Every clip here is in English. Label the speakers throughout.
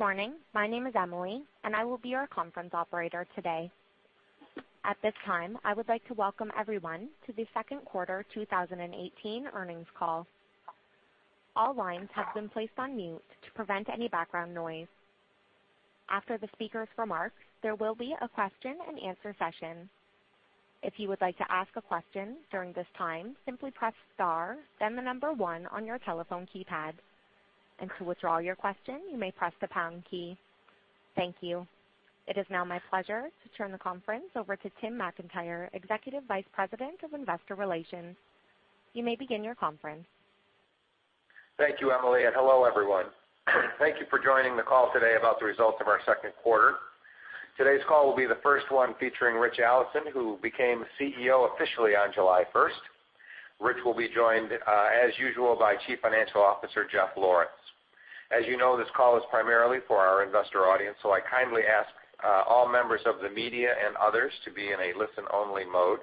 Speaker 1: Good morning. My name is Emily, and I will be your conference operator today. At this time, I would like to welcome everyone to the second quarter 2018 earnings call. All lines have been placed on mute to prevent any background noise. After the speaker's remarks, there will be a question and answer session. If you would like to ask a question during this time, simply press star, then 1 on your telephone keypad. To withdraw your question, you may press the pound key. Thank you. It is now my pleasure to turn the conference over to Tim McIntyre, Executive Vice President of Investor Relations. You may begin your conference.
Speaker 2: Thank you, Emily. Hello, everyone. Thank you for joining the call today about the results of our second quarter. Today's call will be the first one featuring Richard Allison, who became CEO officially on July 1st. Rich will be joined as usual by Chief Financial Officer Jeffrey Lawrence. As you know, this call is primarily for our investor audience, so I kindly ask all members of the media and others to be in a listen-only mode.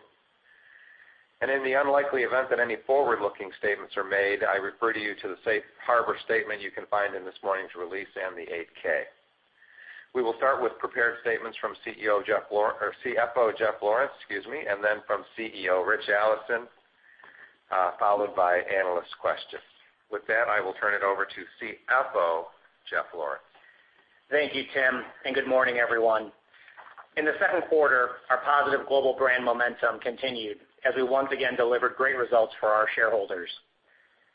Speaker 2: In the unlikely event that any forward-looking statements are made, I refer you to the safe harbor statement you can find in this morning's release and the 8-K. We will start with prepared statements from CFO Jeffrey Lawrence, excuse me, and then from CEO Richard Allison, followed by analyst questions. With that, I will turn it over to CFO Jeffrey Lawrence.
Speaker 3: Thank you, Tim. Good morning, everyone. In the second quarter, our positive global brand momentum continued as we once again delivered great results for our shareholders.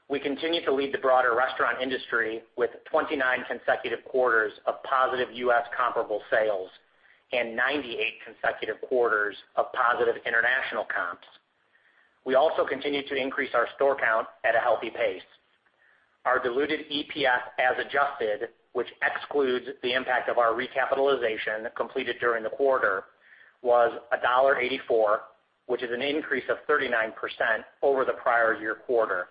Speaker 3: We continue to lead the broader restaurant industry with 29 consecutive quarters of positive U.S. comparable sales and 98 consecutive quarters of positive international comps. We also continue to increase our store count at a healthy pace. Our diluted EPS as adjusted, which excludes the impact of our recapitalization completed during the quarter, was $1.84, which is an increase of 39% over the prior year quarter.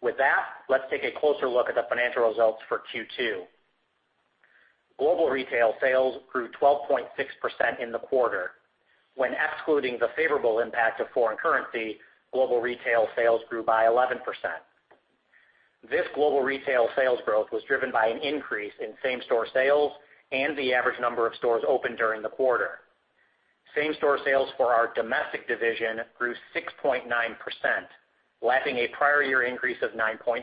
Speaker 3: With that, let's take a closer look at the financial results for Q2. Global retail sales grew 12.6% in the quarter. When excluding the favorable impact of foreign currency, global retail sales grew by 11%. This global retail sales growth was driven by an increase in same-store sales and the average number of stores opened during the quarter. Same-store sales for our domestic division grew 6.9%, lapping a prior year increase of 9.5%.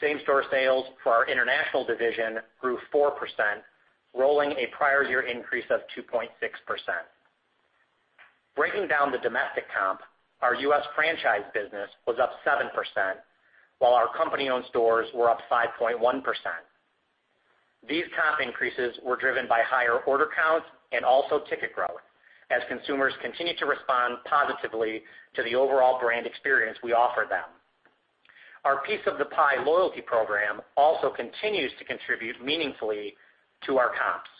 Speaker 3: Same-store sales for our international division grew 4%, rolling a prior year increase of 2.6%. Breaking down the domestic comp, our U.S. franchise business was up 7%, while our company-owned stores were up 5.1%. These comp increases were driven by higher order counts and also ticket growth as consumers continue to respond positively to the overall brand experience we offer them. Our Piece of the Pie loyalty program also continues to contribute meaningfully to our comps.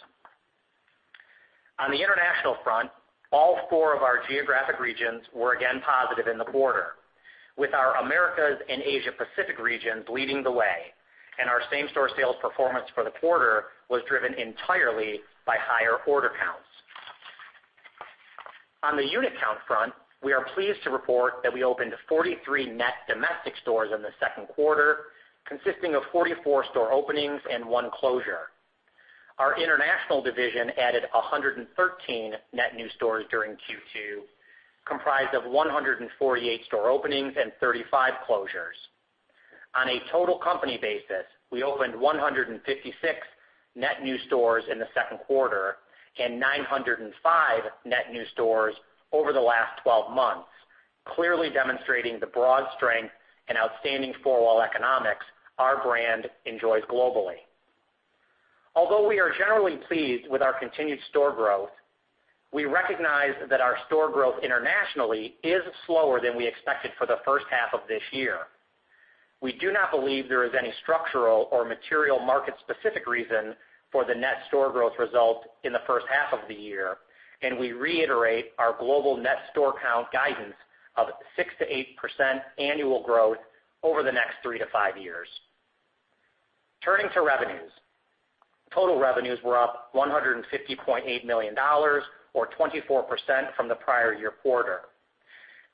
Speaker 3: On the international front, all four of our geographic regions were again positive in the quarter, with our Americas and Asia Pacific regions leading the way. Our same-store sales performance for the quarter was driven entirely by higher order counts. On the unit count front, we are pleased to report that we opened 43 net domestic stores in the second quarter, consisting of 44 store openings and one closure. Our international division added 113 net new stores during Q2, comprised of 148 store openings and 35 closures. On a total company basis, we opened 156 net new stores in the second quarter and 905 net new stores over the last 12 months, clearly demonstrating the broad strength and outstanding four-wall economics our brand enjoys globally. Although we are generally pleased with our continued store growth, we recognize that our store growth internationally is slower than we expected for the first half of this year. We do not believe there is any structural or material market-specific reason for the net store growth result in the first half of the year. We reiterate our global net store count guidance of 6%-8% annual growth over the next three to five years. Turning to revenues. Total revenues were up $150.8 million, or 24% from the prior year quarter.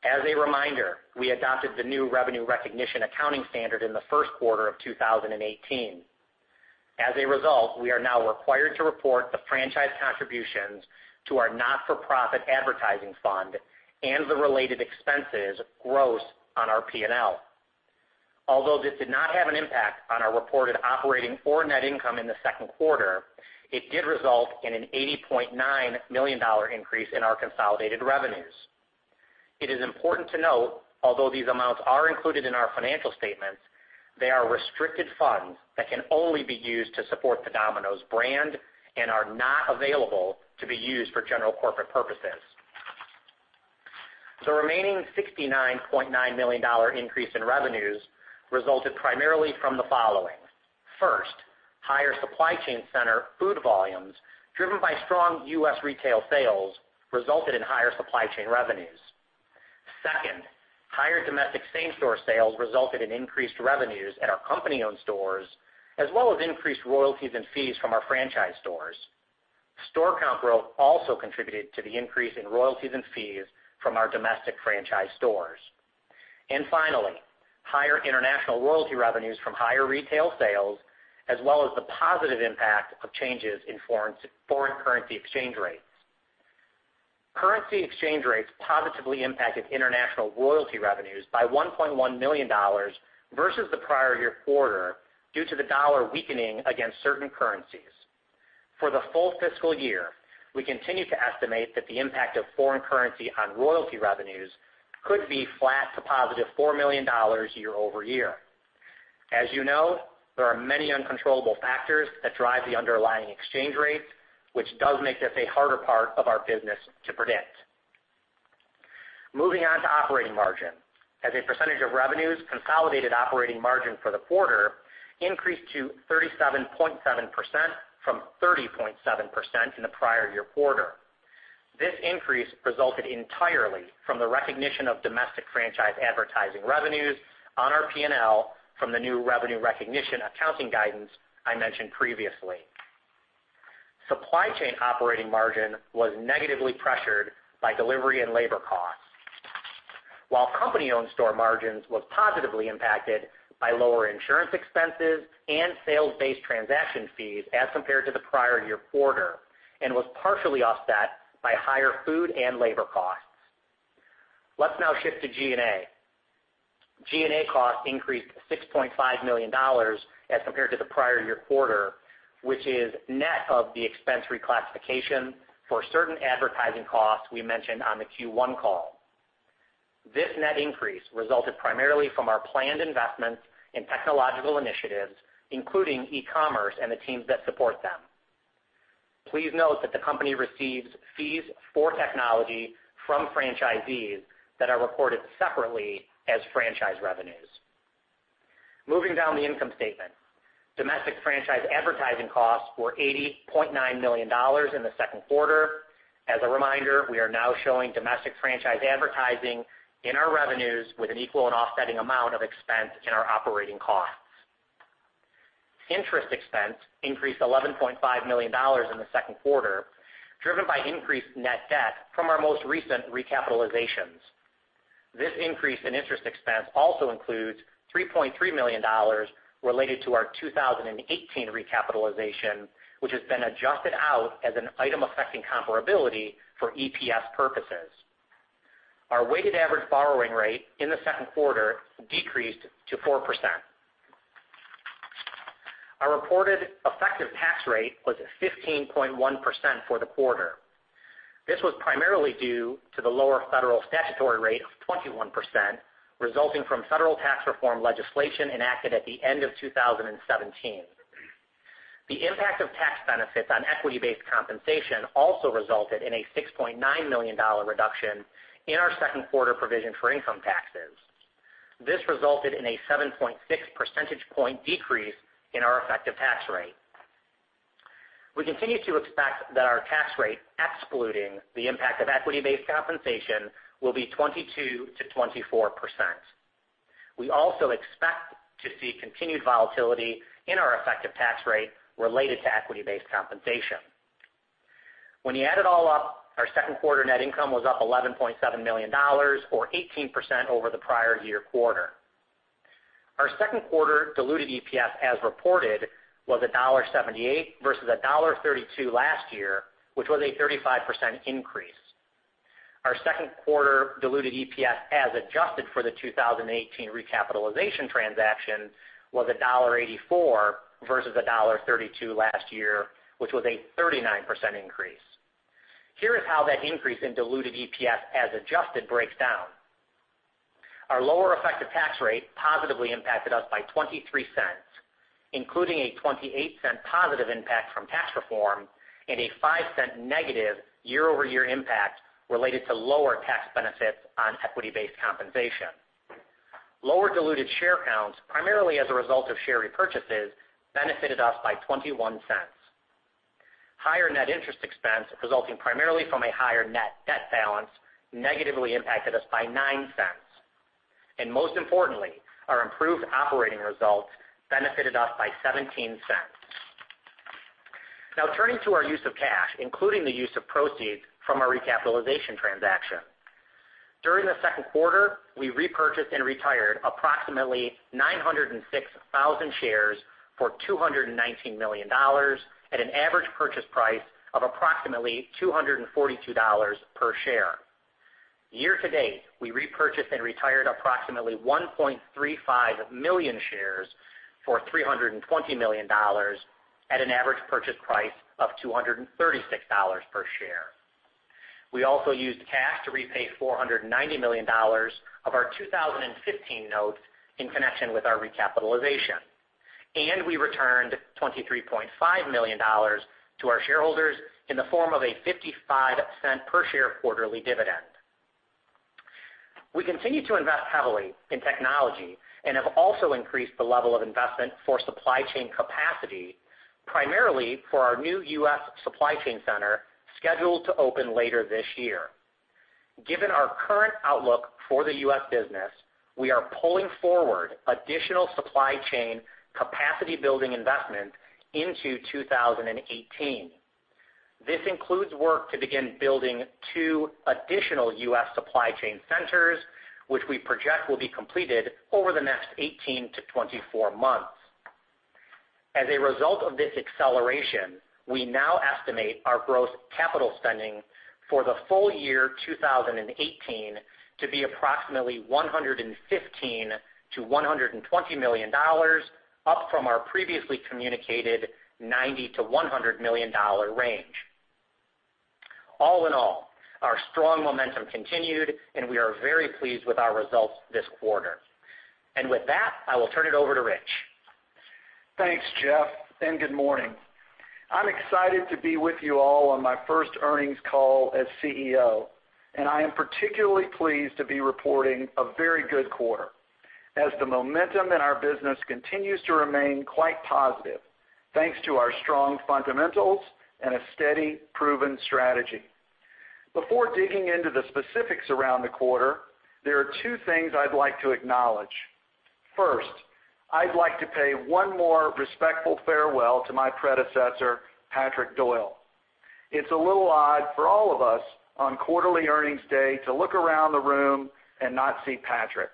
Speaker 3: As a reminder, we adopted the new revenue recognition accounting standard in the first quarter of 2018. As a result, we are now required to report the franchise contributions to our not-for-profit advertising fund and the related expenses gross on our P&L. Although this did not have an impact on our reported operating or net income in the second quarter, it did result in an $80.9 million increase in our consolidated revenues. It is important to note, although these amounts are included in our financial statements, they are restricted funds that can only be used to support the Domino's brand and are not available to be used for general corporate purposes. The remaining $69.9 million increase in revenues resulted primarily from the following. First, higher supply chain center food volumes, driven by strong U.S. retail sales, resulted in higher supply chain revenues. Second, higher domestic same-store sales resulted in increased revenues at our company-owned stores, as well as increased royalties and fees from our franchise stores. Store count growth also contributed to the increase in royalties and fees from our domestic franchise stores. Finally, higher international royalty revenues from higher retail sales, as well as the positive impact of changes in foreign currency exchange rates. Currency exchange rates positively impacted international royalty revenues by $1.1 million versus the prior year quarter due to the dollar weakening against certain currencies. For the full fiscal year, we continue to estimate that the impact of foreign currency on royalty revenues could be flat to positive $4 million year-over-year. As you know, there are many uncontrollable factors that drive the underlying exchange rates, which does make this a harder part of our business to predict. Moving on to operating margin. As a percentage of revenues, consolidated operating margin for the quarter increased to 37.7% from 30.7% in the prior year quarter. This increase resulted entirely from the recognition of domestic franchise advertising revenues on our P&L from the new revenue recognition accounting guidance I mentioned previously. Supply chain operating margin was negatively pressured by delivery and labor costs. While company-owned store margins were positively impacted by lower insurance expenses and sales-based transaction fees as compared to the prior year quarter and was partially offset by higher food and labor costs. Let's now shift to G&A. G&A costs increased to $6.5 million as compared to the prior year quarter, which is net of the expense reclassification for certain advertising costs we mentioned on the Q1 call. This net increase resulted primarily from our planned investments in technological initiatives, including e-commerce and the teams that support them. Please note that the company receives fees for technology from franchisees that are reported separately as franchise revenues. Moving down the income statement. Domestic franchise advertising costs were $80.9 million in the second quarter. As a reminder, we are now showing domestic franchise advertising in our revenues with an equal and offsetting amount of expense in our operating costs. Interest expense increased $11.5 million in the second quarter, driven by increased net debt from our most recent recapitalizations. This increase in interest expense also includes $3.3 million related to our 2018 recapitalization, which has been adjusted out as an item affecting comparability for EPS purposes. Our weighted average borrowing rate in the second quarter decreased to 4%. Our reported effective tax rate was 15.1% for the quarter. This was primarily due to the lower federal statutory rate of 21%, resulting from federal tax reform legislation enacted at the end of 2017. The impact of tax benefits on equity-based compensation also resulted in a $6.9 million reduction in our second quarter provision for income taxes. This resulted in a 7.6 percentage point decrease in our effective tax rate. We continue to expect that our tax rate, excluding the impact of equity-based compensation, will be 22%-24%. We also expect to see continued volatility in our effective tax rate related to equity-based compensation. When you add it all up, our second quarter net income was up $11.7 million or 18% over the prior year quarter. Our second quarter diluted EPS, as reported, was $1.78 versus $1.32 last year, which was a 35% increase. Our second quarter diluted EPS, as adjusted for the 2018 recapitalization transaction, was $1.84 versus $1.32 last year, which was a 39% increase. Here is how that increase in diluted EPS as adjusted breaks down. Our lower effective tax rate positively impacted us by $0.23, including a $0.28 positive impact from tax reform and a $0.05 negative year-over-year impact related to lower tax benefits on equity-based compensation. Lower diluted share counts, primarily as a result of share repurchases, benefited us by $0.21. Higher net interest expense, resulting primarily from a higher net debt balance, negatively impacted us by $0.09. Most importantly, our improved operating results benefited us by $0.17. Now turning to our use of cash, including the use of proceeds from our recapitalization transaction. During the second quarter, we repurchased and retired approximately 906,000 shares for $219 million at an average purchase price of approximately $242 per share. Year to date, we repurchased and retired approximately 1.35 million shares for $320 million at an average purchase price of $236 per share. We also used cash to repay $490 million of our 2015 notes in connection with our recapitalization. We returned $23.5 million to our shareholders in the form of a $0.55 per share quarterly dividend. We continue to invest heavily in technology and have also increased the level of investment for supply chain capacity, primarily for our new U.S. supply chain center scheduled to open later this year. Given our current outlook for the U.S. business, we are pulling forward additional supply chain capacity building investment into 2018. This includes work to begin building two additional U.S. supply chain centers, which we project will be completed over the next 18 to 24 months. As a result of this acceleration, we now estimate our growth capital spending for the full year 2018 to be approximately $115 million-$120 million, up from our previously communicated $90 million-$100 million range. All in all, our strong momentum continued, and we are very pleased with our results this quarter. With that, I will turn it over to Rich.
Speaker 4: Thanks, Jeff, good morning. I'm excited to be with you all on my first earnings call as CEO, and I am particularly pleased to be reporting a very good quarter, as the momentum in our business continues to remain quite positive, thanks to our strong fundamentals and a steady, proven strategy. Before digging into the specifics around the quarter, there are two things I'd like to acknowledge. First, I'd like to pay one more respectful farewell to my predecessor, Patrick Doyle. It's a little odd for all of us on quarterly earnings day to look around the room and not see Patrick,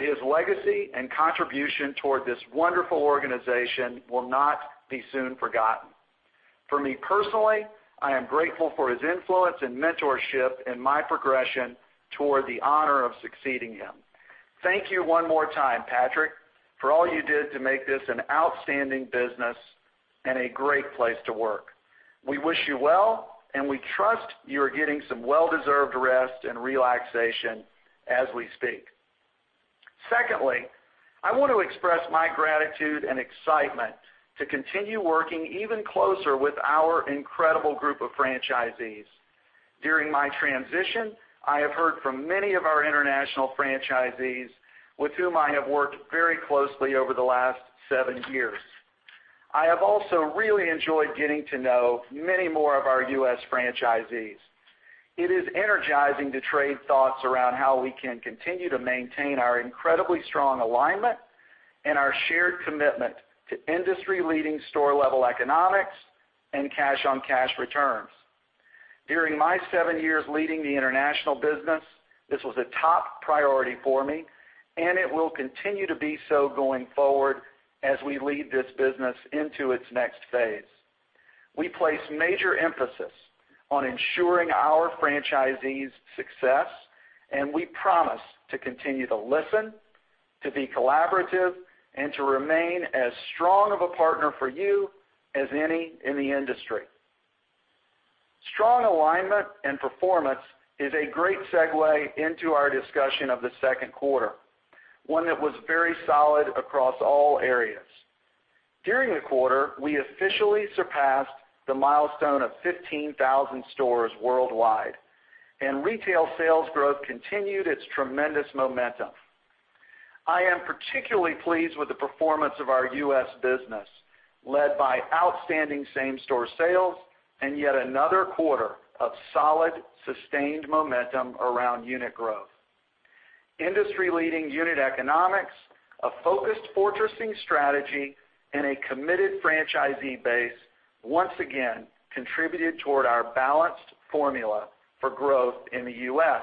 Speaker 4: his legacy and contribution toward this wonderful organization will not be soon forgotten. For me personally, I am grateful for his influence and mentorship in my progression toward the honor of succeeding him. Thank you one more time, Patrick, for all you did to make this an outstanding business and a great place to work. We wish you well, we trust you are getting some well-deserved rest and relaxation as we speak. Secondly, I want to express my gratitude and excitement to continue working even closer with our incredible group of franchisees. During my transition, I have heard from many of our international franchisees with whom I have worked very closely over the last seven years. I have also really enjoyed getting to know many more of our U.S. franchisees. It is energizing to trade thoughts around how we can continue to maintain our incredibly strong alignment and our shared commitment to industry-leading store-level economics and cash-on-cash returns. During my seven years leading the international business, this was a top priority for me, and it will continue to be so going forward as we lead this business into its next phase. We place major emphasis on ensuring our franchisees' success, and we promise to continue to listen, to be collaborative, and to remain as strong of a partner for you as any in the industry. Strong alignment and performance is a great segue into our discussion of the second quarter, one that was very solid across all areas. During the quarter, we officially surpassed the milestone of 15,000 stores worldwide, and retail sales growth continued its tremendous momentum. I am particularly pleased with the performance of our U.S. business, led by outstanding same-store sales and yet another quarter of solid, sustained momentum around unit growth. Industry-leading unit economics, a focused fortressing strategy, and a committed franchisee base once again contributed toward our balanced formula for growth in the U.S.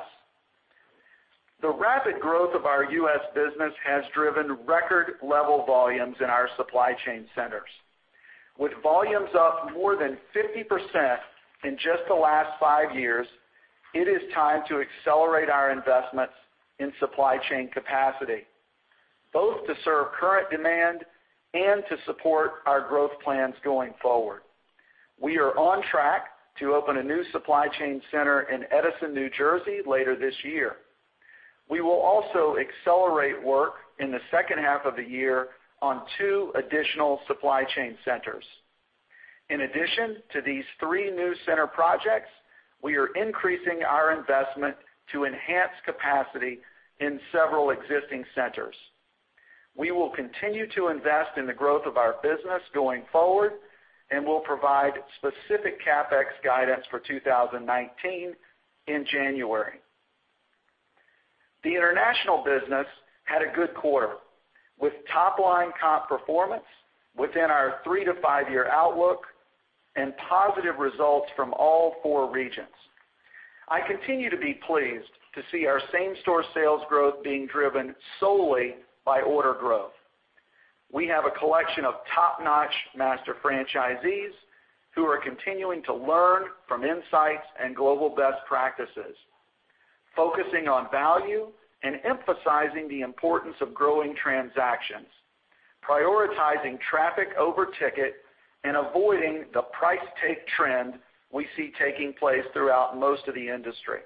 Speaker 4: The rapid growth of our U.S. business has driven record-level volumes in our supply chain centers. With volumes up more than 50% in just the last five years, it is time to accelerate our investments in supply chain capacity, both to serve current demand and to support our growth plans going forward. We are on track to open a new supply chain center in Edison, New Jersey, later this year. We will also accelerate work in the second half of the year on two additional supply chain centers. In addition to these three new center projects, we are increasing our investment to enhance capacity in several existing centers. We will continue to invest in the growth of our business going forward and will provide specific CapEx guidance for 2019 in January. The international business had a good quarter, with top-line comp performance within our three-to-five-year outlook and positive results from all four regions. I continue to be pleased to see our same-store sales growth being driven solely by order growth. We have a collection of top-notch master franchisees who are continuing to learn from insights and global best practices, focusing on value and emphasizing the importance of growing transactions, prioritizing traffic over ticket, and avoiding the price take trend we see taking place throughout most of the industry.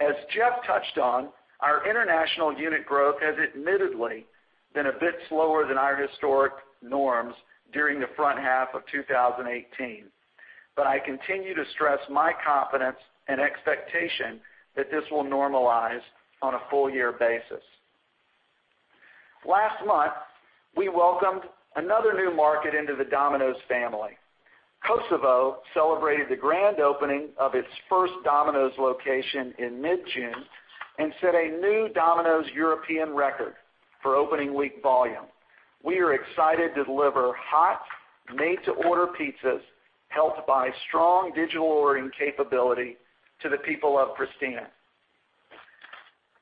Speaker 4: As Jeffrey touched on, our international unit growth has admittedly been a bit slower than our historic norms during the front half of 2018. I continue to stress my confidence and expectation that this will normalize on a full-year basis. Last month, we welcomed another new market into the Domino's family. Kosovo celebrated the grand opening of its first Domino's location in mid-June and set a new Domino's European record for opening week volume. We are excited to deliver hot, made-to-order pizzas helped by strong digital ordering capability to the people of Pristina.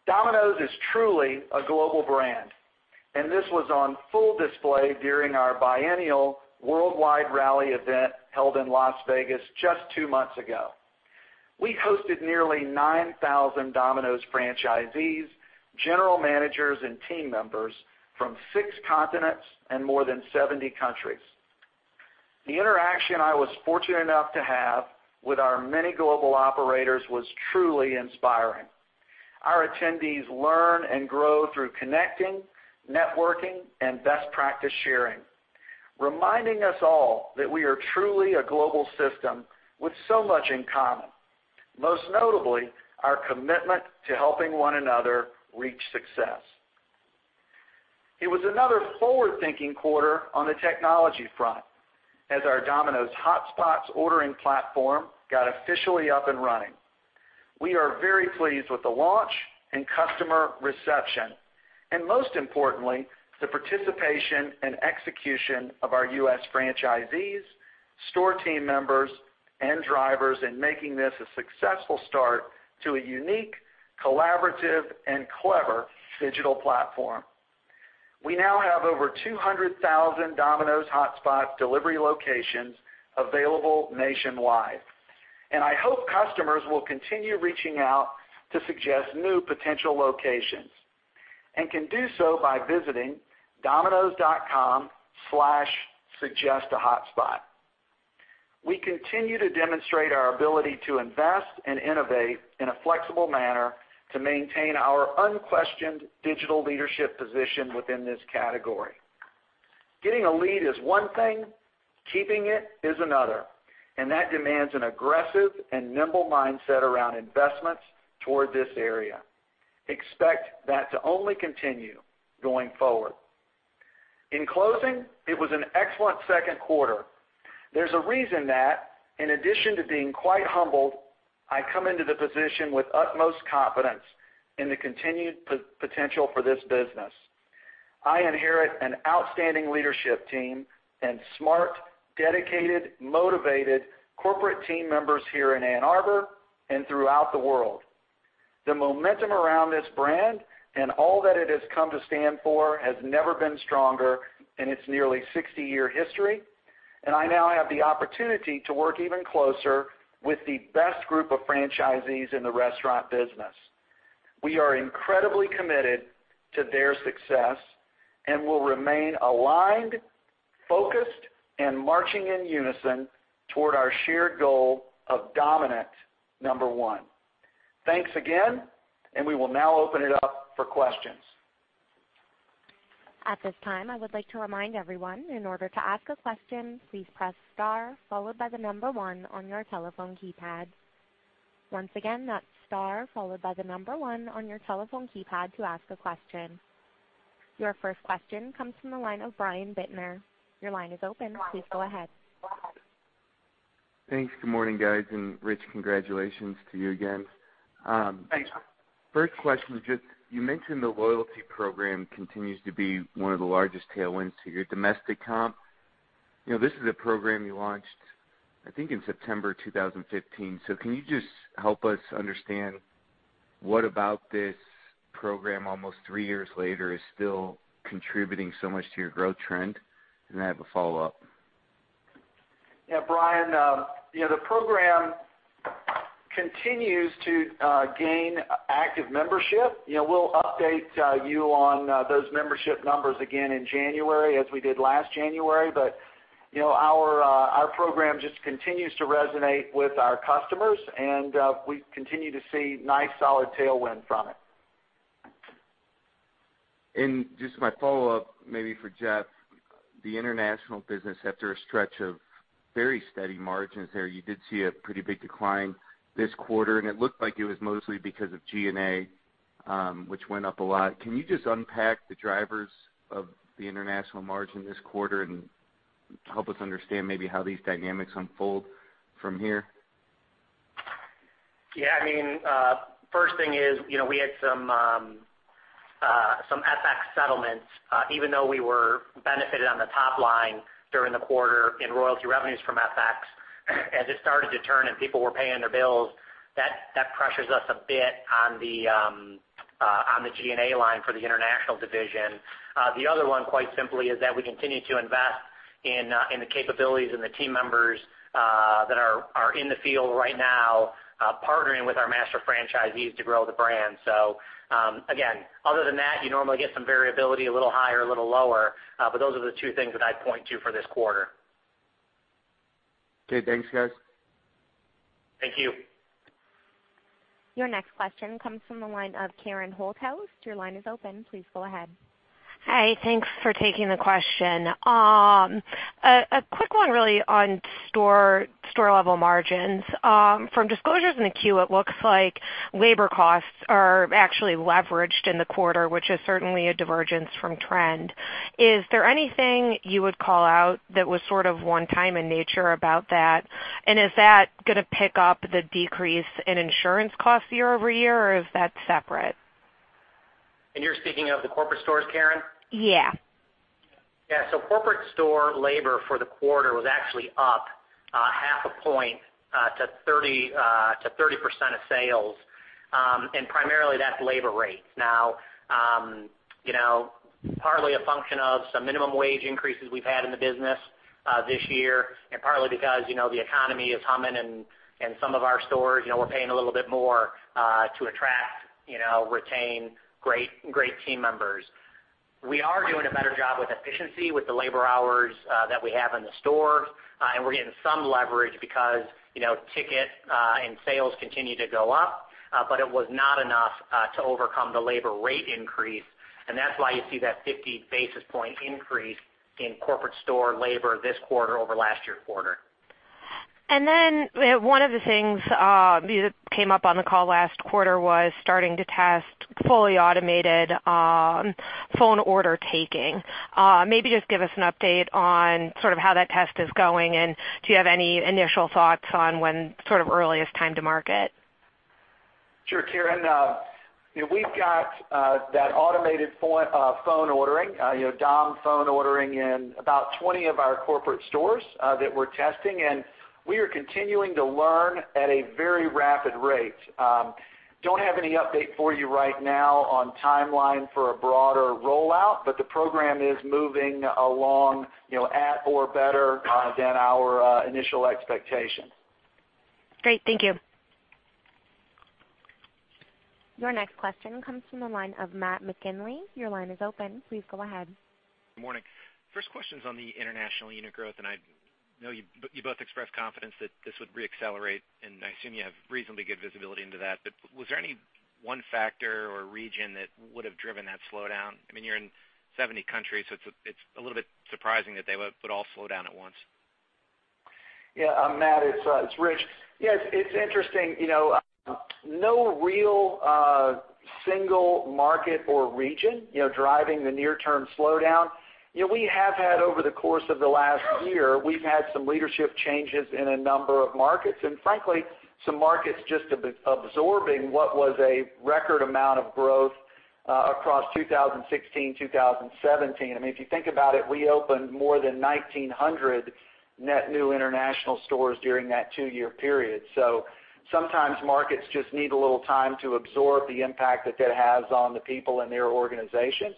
Speaker 4: Domino's is truly a global brand, and this was on full display during our biennial worldwide rally event held in Las Vegas just two months ago. We hosted nearly 9,000 Domino's franchisees, general managers, and team members from six continents and more than 70 countries. The interaction I was fortunate enough to have with our many global operators was truly inspiring. Our attendees learn and grow through connecting, networking, and best practice sharing, reminding us all that we are truly a global system with so much in common. Most notably, our commitment to helping one another reach success. It was another forward-thinking quarter on the technology front, as our Domino's Hotspots ordering platform got officially up and running. We are very pleased with the launch and customer reception, and most importantly, the participation and execution of our U.S. franchisees, store team members, and drivers in making this a successful start to a unique, collaborative, and clever digital platform. We now have over 200,000 Domino's Hotspot delivery locations available nationwide, and I hope customers will continue reaching out to suggest new potential locations and can do so by visiting dominos.com/suggestahotspot. We continue to demonstrate our ability to invest and innovate in a flexible manner to maintain our unquestioned digital leadership position within this category. Getting a lead is one thing. Keeping it is another, and that demands an aggressive and nimble mindset around investments toward this area. Expect that to only continue going forward. In closing, it was an excellent second quarter. There's a reason that in addition to being quite humbled, I come into the position with utmost confidence in the continued potential for this business. I inherit an outstanding leadership team and smart, dedicated, motivated corporate team members here in Ann Arbor and throughout the world. The momentum around this brand and all that it has come to stand for has never been stronger in its nearly 60-year history. I now have the opportunity to work even closer with the best group of franchisees in the restaurant business. We are incredibly committed to their success and will remain aligned, focused, and marching in unison toward our shared goal of dominant number one. Thanks again, and we will now open it up for questions.
Speaker 1: At this time, I would like to remind everyone in order to ask a question, please press star followed by the number one on your telephone keypad. Once again, that's star followed by the number one on your telephone keypad to ask a question. Your first question comes from the line of Brian Bittner. Your line is open. Please go ahead.
Speaker 5: Thanks. Good morning, guys, and Rich, congratulations to you again.
Speaker 4: Thanks.
Speaker 5: First question. You mentioned the loyalty program continues to be one of the largest tailwinds to your domestic comp. This is a program you launched, I think, in September 2015. Can you just help us understand what about this program almost three years later is still contributing so much to your growth trend? I have a follow-up.
Speaker 4: Yeah, Brian. The program continues to gain active membership. We'll update you on those membership numbers again in January as we did last January. Our program just continues to resonate with our customers, and we continue to see nice, solid tailwind from it.
Speaker 5: Just my follow-up, maybe for Jeff. The international business, after a stretch of very steady margins there, you did see a pretty big decline this quarter, and it looked like it was mostly because of G&A, which went up a lot. Can you just unpack the drivers of the international margin this quarter and help us understand maybe how these dynamics unfold from here?
Speaker 3: First thing is, we had some FX settlements, even though we were benefited on the top line during the quarter in royalty revenues from FX. As it started to turn and people were paying their bills, that pressures us a bit on the G&A line for the international division. The other one, quite simply, is that we continue to invest in the capabilities and the team members that are in the field right now, partnering with our master franchisees to grow the brand. Again, other than that, you normally get some variability, a little higher, a little lower. Those are the two things that I'd point to for this quarter.
Speaker 5: Okay. Thanks, guys.
Speaker 3: Thank you.
Speaker 1: Your next question comes from the line of Karen Holthouse. Your line is open. Please go ahead.
Speaker 6: Hi. Thanks for taking the question. A quick one, really, on store-level margins. From disclosures in the Q, it looks like labor costs are actually leveraged in the quarter, which is certainly a divergence from trend. Is there anything you would call out that was sort of one-time in nature about that? Is that going to pick up the decrease in insurance costs year-over-year, or is that separate?
Speaker 3: You're speaking of the corporate stores, Karen?
Speaker 6: Yeah.
Speaker 3: Yeah. Corporate store labor for the quarter was actually up half a point to 30% of sales. Primarily, that's labor rates. Now, partly a function of some minimum wage increases we've had in the business this year, and partly because the economy is humming and some of our stores, we're paying a little bit more to attract, retain great team members. We are doing a better job with efficiency with the labor hours that we have in the stores. We're getting some leverage because ticket and sales continue to go up. It was not enough to overcome the labor rate increase. That's why you see that 50 basis point increase in corporate store labor this quarter over last year's quarter.
Speaker 6: One of the things that came up on the call last quarter was starting to test fully automated phone order taking. Maybe just give us an update on how that test is going, and do you have any initial thoughts on when earliest time to market?
Speaker 4: Sure, Karen. We've got that automated phone ordering, Dom phone ordering, in about 20 of our corporate stores that we're testing, and we are continuing to learn at a very rapid rate. Don't have any update for you right now on timeline for a broader rollout, but the program is moving along at or better than our initial expectations.
Speaker 6: Great. Thank you.
Speaker 1: Your next question comes from the line of Matt McGinley. Your line is open. Please go ahead.
Speaker 7: Good morning. First question's on the international unit growth. I know you both expressed confidence that this would re-accelerate, and I assume you have reasonably good visibility into that. Was there any one factor or region that would've driven that slowdown? You're in 70 countries, so it's a little bit surprising that they would all slow down at once.
Speaker 4: Matt, it's Rich. It's interesting. No real single market or region driving the near-term slowdown. Over the course of the last year, we've had some leadership changes in a number of markets, and frankly, some markets just absorbing what was a record amount of growth across 2016, 2017. If you think about it, we opened more than 1,900 net new international stores during that two-year period. Sometimes markets just need a little time to absorb the impact that that has on the people in their organizations.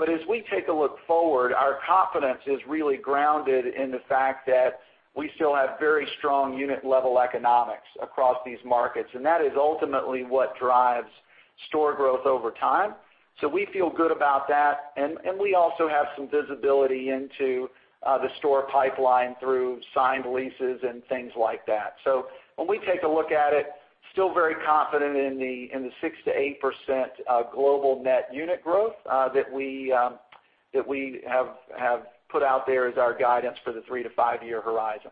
Speaker 4: As we take a look forward, our confidence is really grounded in the fact that we still have very strong unit-level economics across these markets, and that is ultimately what drives store growth over time. We feel good about that. We also have some visibility into the store pipeline through signed leases and things like that. When we take a look at it, still very confident in the 6%-8% global net unit growth that we have put out there as our guidance for the three-to-five-year horizon.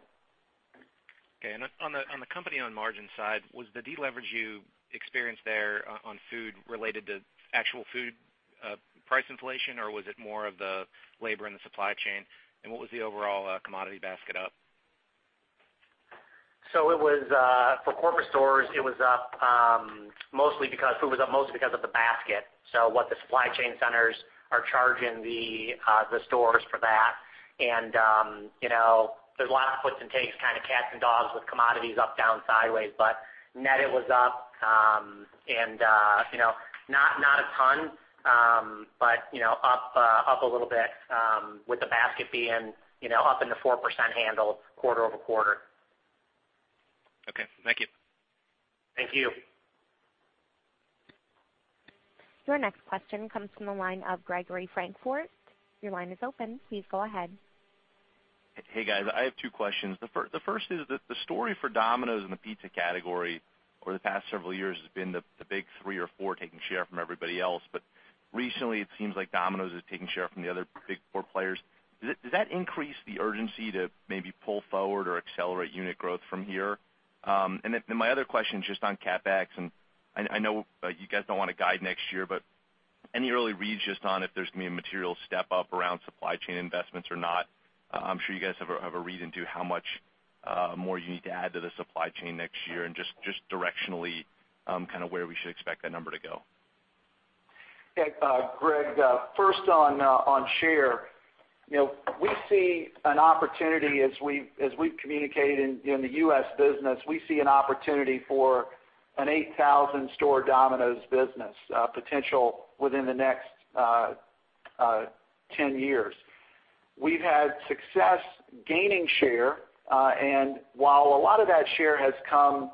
Speaker 7: Okay. On the company, on margin side, was the deleverage you experienced there on food related to actual food price inflation, or was it more of the labor and the supply chain? What was the overall commodity basket up?
Speaker 3: For corporate stores, food was up mostly because of the basket. What the supply chain centers are charging the stores for that. There's a lot of gives and takes, kind of cats and dogs with commodities up, down, sideways. Net, it was up, and not a ton, but up a little bit with the basket being up in the 4% handle quarter-over-quarter.
Speaker 7: Okay. Thank you.
Speaker 3: Thank you.
Speaker 1: Your next question comes from the line of Gregory Francfort. Your line is open. Please go ahead.
Speaker 8: Hey, guys. I have two questions. The first is that the story for Domino's in the pizza category over the past several years has been the big three or four taking share from everybody else. Recently, it seems like Domino's is taking share from the other big four players. Does that increase the urgency to maybe pull forward or accelerate unit growth from here? Then my other question is just on CapEx, and I know you guys don't want to guide next year, but any early reads just on if there's going to be a material step-up around supply chain investments or not? I'm sure you guys have a read into how much more you need to add to the supply chain next year and just directionally where we should expect that number to go.
Speaker 4: Yeah. Greg, first on share. As we've communicated in the U.S. business, we see an opportunity for an 8,000-store Domino's business potential within the next 10 years. While a lot of that share has come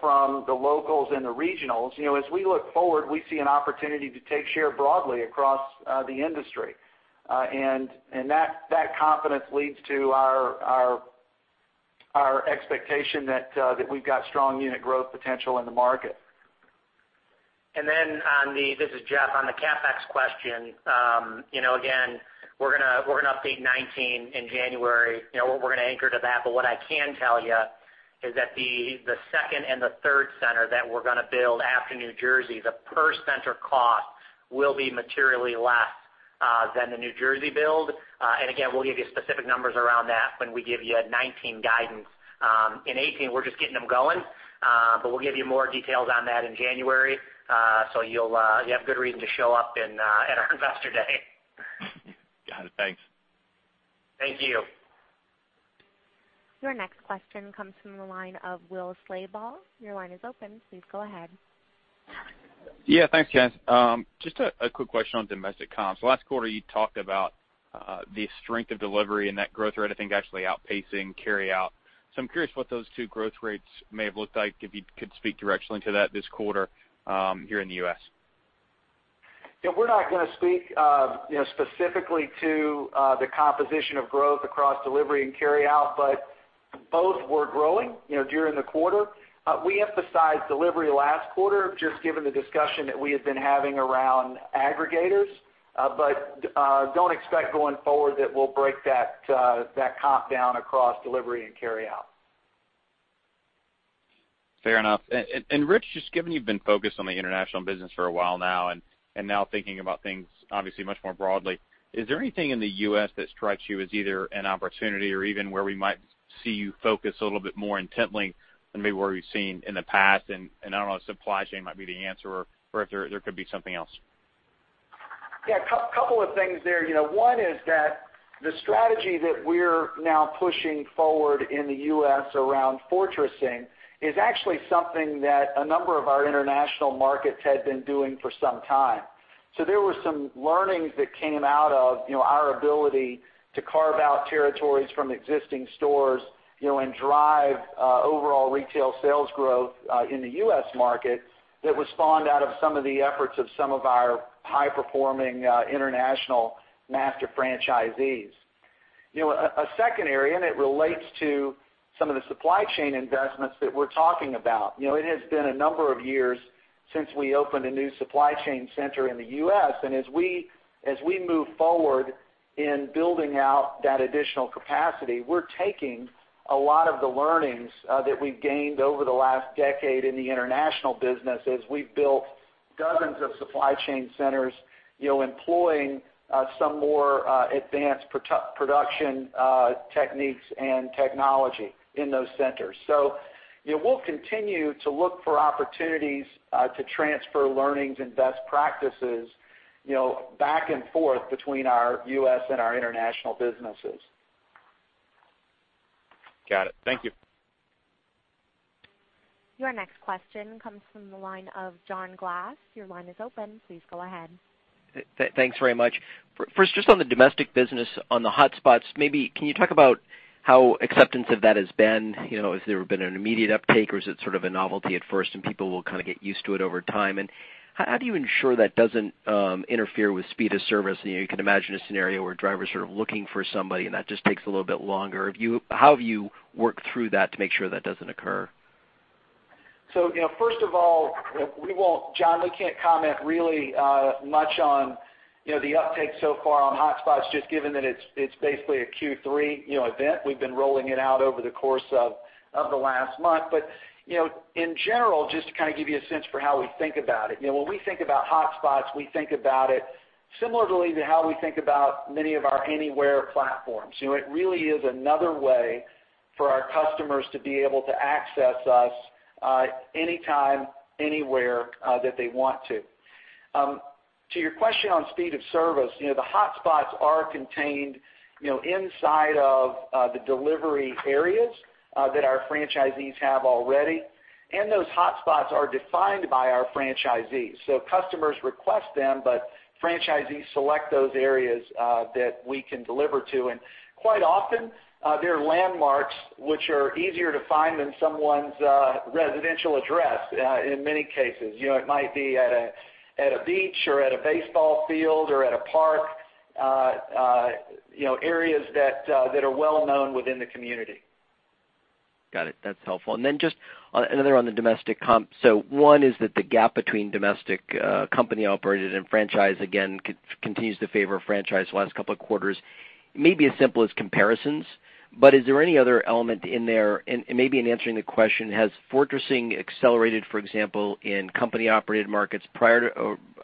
Speaker 4: from the locals and the regionals, as we look forward, we see an opportunity to take share broadly across the industry. That confidence leads to our expectation that we've got strong unit growth potential in the market.
Speaker 3: This is Jeff, on the CapEx question. Again, we're going to update 2019 in January. We're going to anchor to that, but what I can tell you is that the second and the third center that we're going to build after New Jersey, the per-center cost will be materially less than the New Jersey build. Again, we'll give you specific numbers around that when we give you a 2019 guidance. In 2018, we're just getting them going. We'll give you more details on that in January. You have good reason to show up in at our Investor Day.
Speaker 8: Got it. Thanks.
Speaker 3: Thank you.
Speaker 1: Your next question comes from the line of Will Slabaugh. Your line is open. Please go ahead.
Speaker 9: Yeah. Thanks, guys. Just a quick question on domestic comps. Last quarter, you talked about the strength of delivery and that growth rate, I think, actually outpacing carryout. I'm curious what those two growth rates may have looked like, if you could speak directionally to that this quarter here in the U.S.
Speaker 4: Yeah. We're not going to speak specifically to the composition of growth across delivery and carryout. Both were growing during the quarter. We emphasized delivery last quarter, just given the discussion that we have been having around aggregators. Don't expect going forward that we'll break that comp down across delivery and carryout.
Speaker 9: Fair enough. Rich, just given you've been focused on the international business for a while now, and now thinking about things obviously much more broadly, is there anything in the U.S. that strikes you as either an opportunity or even where we might see you focus a little bit more intently than maybe where we've seen in the past? I don't know, supply chain might be the answer, or if there could be something else.
Speaker 4: Yeah. Couple of things there. One is that the strategy that we're now pushing forward in the U.S. around fortressing is actually something that a number of our international markets had been doing for some time. There were some learnings that came out of our ability to carve out territories from existing stores, and drive overall retail sales growth in the U.S. market that was spawned out of some of the efforts of some of our high-performing international master franchisees. A second area, it relates to some of the supply chain investments that we're talking about. It has been a number of years since we opened a new supply chain center in the U.S., and as we move forward in building out that additional capacity, we're taking a lot of the learnings that we've gained over the last decade in the international business as we've built dozens of supply chain centers employing some more advanced production techniques and technology in those centers. We'll continue to look for opportunities to transfer learnings and best practices back and forth between our U.S. and our international businesses.
Speaker 9: Got it. Thank you.
Speaker 1: Your next question comes from the line of John Glass. Your line is open. Please go ahead.
Speaker 10: Thanks very much. First, just on the domestic business, on the hotspots, maybe can you talk about how acceptance of that has been? Has there been an immediate uptake, or is it sort of a novelty at first and people will kind of get used to it over time? How do you ensure that doesn't interfere with speed of service? You can imagine a scenario where drivers are looking for somebody, and that just takes a little bit longer. How have you worked through that to make sure that doesn't occur?
Speaker 4: First of all, John, we can't comment really much on the uptake so far on hotspots, just given that it's basically a Q3 event. We've been rolling it out over the course of the last month. In general, just to kind of give you a sense for how we think about it. When we think about hotspots, we think about it similarly to how we think about many of our AnyWare platforms. It really is another way for our customers to be able to access us anytime, anywhere that they want to. To your question on speed of service, the hotspots are contained inside of the delivery areas that our franchisees have already. Those hotspots are defined by our franchisees. Customers request them, but franchisees select those areas that we can deliver to. Quite often, they're landmarks which are easier to find than someone's residential address, in many cases. It might be at a beach or at a baseball field or at a park. Areas that are well known within the community.
Speaker 10: Got it. That's helpful. Then just another on the domestic comp. One is that the gap between domestic company operated and franchise, again, continues to favor franchise the last two quarters. It may be as simple as comparisons, but is there any other element in there? Maybe in answering the question, has fortressing accelerated, for example, in company operated markets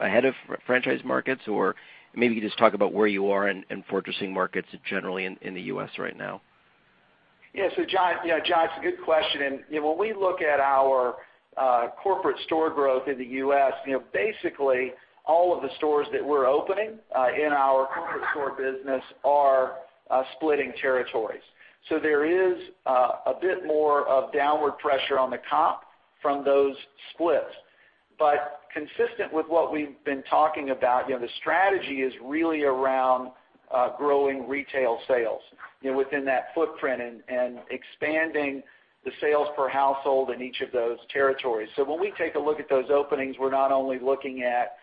Speaker 10: ahead of franchise markets? Or maybe you can just talk about where you are in fortressing markets generally in the U.S. right now.
Speaker 4: Yeah. John, it's a good question. When we look at our corporate store growth in the U.S., basically all of the stores that we're opening in our corporate store business are splitting territories. There is a bit more of downward pressure on the comp from those splits. Consistent with what we've been talking about, the strategy is really around growing retail sales within that footprint, and expanding the sales per household in each of those territories. When we take a look at those openings, we're not only looking at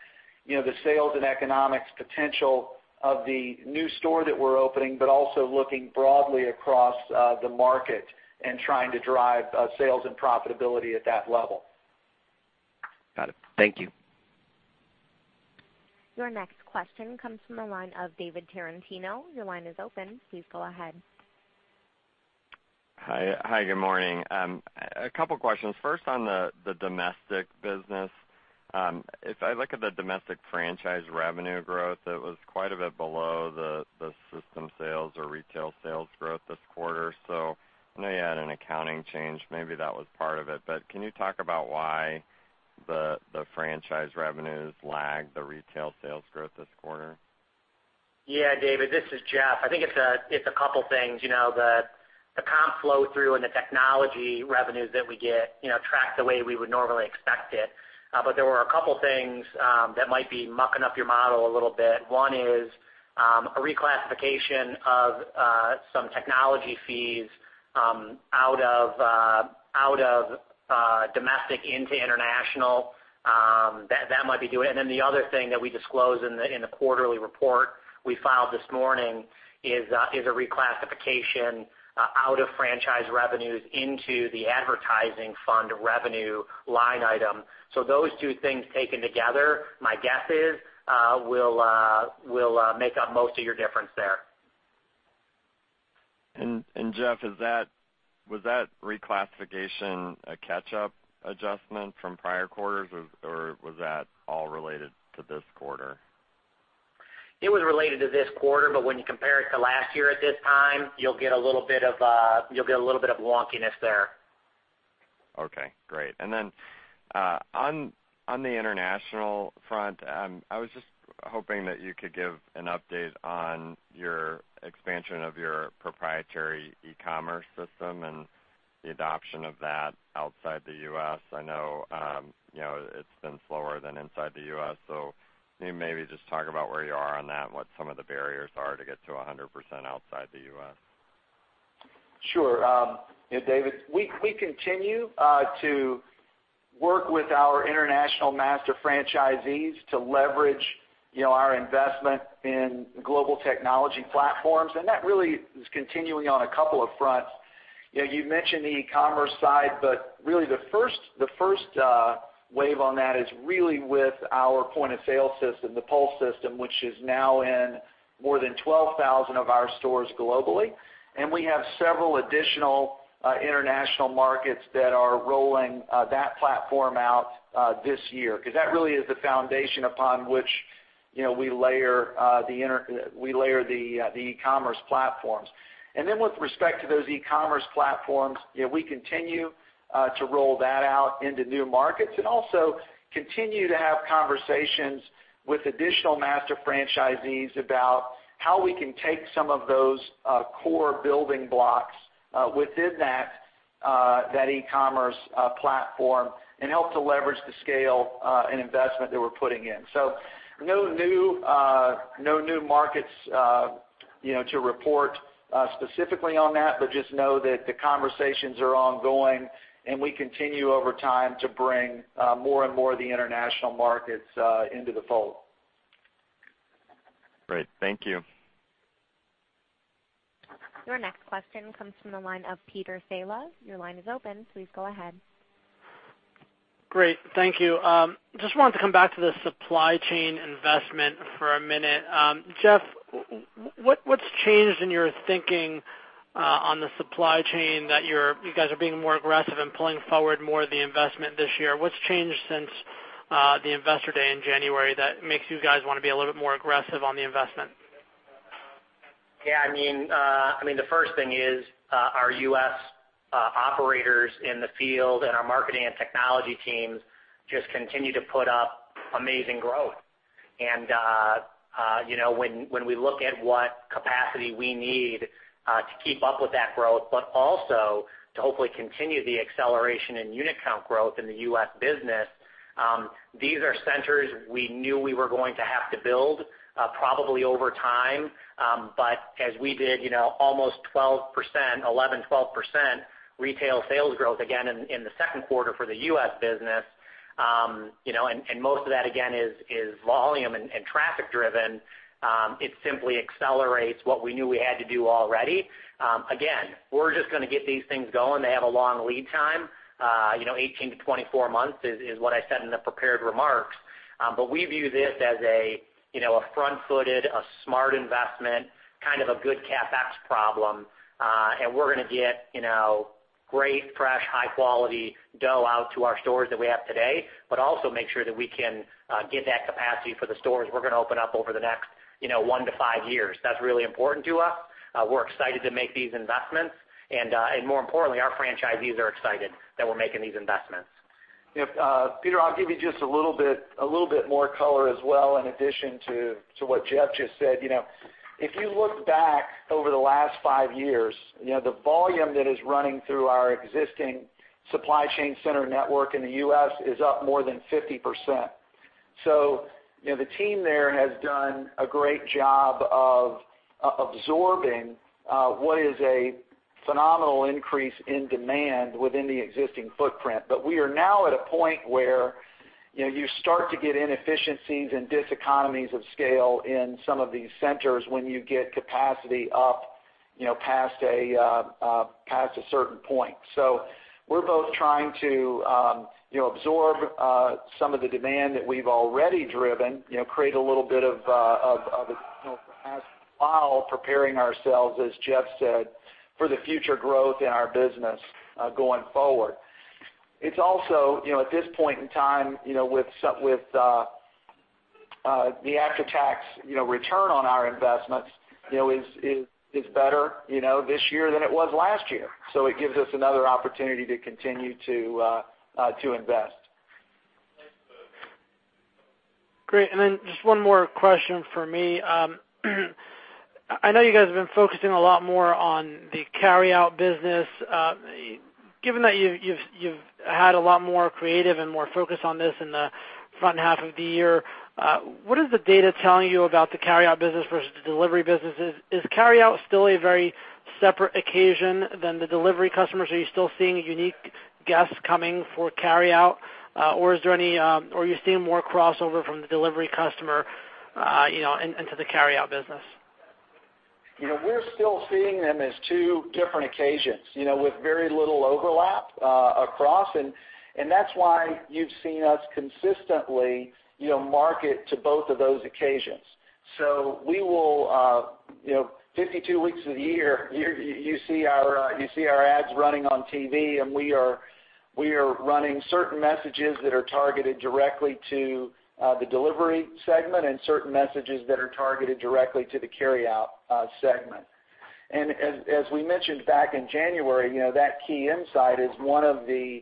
Speaker 4: the sales and economics potential of the new store that we're opening, but also looking broadly across the market and trying to drive sales and profitability at that level.
Speaker 10: Got it. Thank you.
Speaker 1: Your next question comes from the line of David Tarantino. Your line is open. Please go ahead.
Speaker 11: Hi, good morning. A couple questions. First, on the domestic business. If I look at the domestic franchise revenue growth, it was quite a bit below the system sales or retail sales growth this quarter. I know you had an accounting change. Maybe that was part of it, but can you talk about why the franchise revenues lagged the retail sales growth this quarter?
Speaker 3: Yeah, David, this is Jeff. I think it's a couple things. The comp flow-through and the technology revenues that we get track the way we would normally expect it. There were a couple things that might be mucking up your model a little bit. One is a reclassification of some technology fees out of domestic into international. That might be doing it. The other thing that we disclose in the quarterly report we filed this morning is a reclassification out of franchise revenues into the advertising fund revenue line item. Those two things taken together, my guess is, will make up most of your difference there.
Speaker 11: Jeff, was that reclassification a catch-up adjustment from prior quarters, or was that all related to this quarter?
Speaker 3: It was related to this quarter, when you compare it to last year at this time, you'll get a little bit of wonkiness there.
Speaker 11: Okay, great. On the international front, I was just hoping that you could give an update on your expansion of your proprietary e-commerce system and the adoption of that outside the U.S. I know it's been slower than inside the U.S. Can you maybe just talk about where you are on that and what some of the barriers are to get to 100% outside the U.S.?
Speaker 4: Sure. David, we continue to work with our international master franchisees to leverage our investment in global technology platforms. That really is continuing on a couple of fronts. You mentioned the e-commerce side, but really the first wave on that is really with our point-of-sale system, the Pulse system, which is now in more than 12,000 of our stores globally, and we have several additional international markets that are rolling that platform out this year. Because that really is the foundation upon which we layer the e-commerce platforms. With respect to those e-commerce platforms, we continue to roll that out into new markets and also continue to have conversations with additional master franchisees about how we can take some of those core building blocks within that e-commerce platform and help to leverage the scale and investment that we're putting in. No new markets to report specifically on that, but just know that the conversations are ongoing, and we continue over time to bring more and more of the international markets into the fold.
Speaker 11: Great. Thank you.
Speaker 1: Your next question comes from the line of Peter Saleh. Your line is open. Please go ahead.
Speaker 12: Great. Thank you. Just wanted to come back to the supply chain investment for a minute. Jeff, what's changed in your thinking on the supply chain that you guys are being more aggressive and pulling forward more of the investment this year? What's changed since the investor day in January that makes you guys want to be a little bit more aggressive on the investment?
Speaker 3: The first thing is our U.S. operators in the field and our marketing and technology teams just continue to put up amazing growth. When we look at what capacity we need to keep up with that growth, but also to hopefully continue the acceleration in unit count growth in the U.S. business, these are centers we knew we were going to have to build, probably over time. As we did almost 11%-12% retail sales growth, again in the Q2 for the U.S. business, and most of that, again, is volume and traffic driven, it simply accelerates what we knew we had to do already. We're just going to get these things going. They have a long lead time, 18-24 months is what I said in the prepared remarks. We view this as a front-footed, a smart investment, kind of a good CapEx problem. We're going to get great, fresh, high-quality dough out to our stores that we have today, but also make sure that we can get that capacity for the stores we're going to open up over the next 1-5 years. That's really important to us. We're excited to make these investments, and more importantly, our franchisees are excited that we're making these investments.
Speaker 4: Peter, I'll give you just a little bit more color as well, in addition to what Jeff just said. If you look back over the last 5 years, the volume that is running through our existing supply chain center network in the U.S. is up more than 50%. The team there has done a great job of absorbing what is a phenomenal increase in demand within the existing footprint. We are now at a point where you start to get inefficiencies and diseconomies of scale in some of these centers when you get capacity up past a certain point. We're both trying to absorb some of the demand that we've already driven, create a little bit of preparing ourselves, as Jeff said, for the future growth in our business going forward. It's also, at this point in time, with the after-tax return on our investments is better this year than it was last year. It gives us another opportunity to continue to invest.
Speaker 12: Thanks. Great. Just one more question from me. I know you guys have been focusing a lot more on the carryout business. Given that you've had a lot more creative and more focus on this in the front half of the year, what is the data telling you about the carryout business versus the delivery businesses? Is carryout still a very separate occasion than the delivery customers? Are you still seeing unique guests coming for carryout? Are you seeing more crossover from the delivery customer into the carryout business?
Speaker 4: We're still seeing them as two different occasions with very little overlap across. That's why you've seen us consistently market to both of those occasions. We will, 52 weeks of the year, you see our ads running on TV, and we are running certain messages that are targeted directly to the delivery segment and certain messages that are targeted directly to the carryout segment. As we mentioned back in January, that key insight is one of the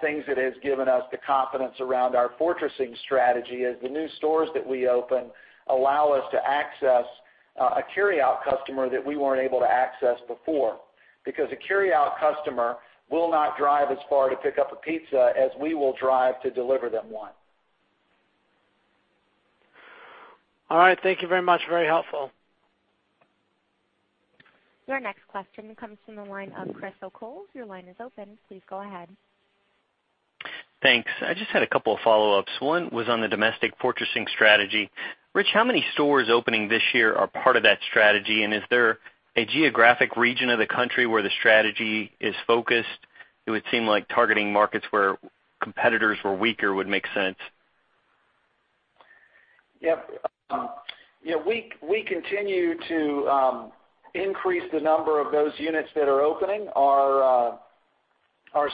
Speaker 4: things that has given us the confidence around our fortressing strategy, as the new stores that we open allow us to access a carryout customer that we weren't able to access before. Because a carryout customer will not drive as far to pick up a pizza as we will drive to deliver them one.
Speaker 12: All right. Thank you very much. Very helpful.
Speaker 1: Your next question comes from the line of Chris O'Cull. Your line is open. Please go ahead.
Speaker 13: Thanks. I just had a couple of follow-ups. One was on the domestic fortressing strategy. Rich, how many stores opening this year are part of that strategy? Is there a geographic region of the country where the strategy is focused? It would seem like targeting markets where competitors were weaker would make sense.
Speaker 4: Yep. We continue to increase the number of those units that are opening are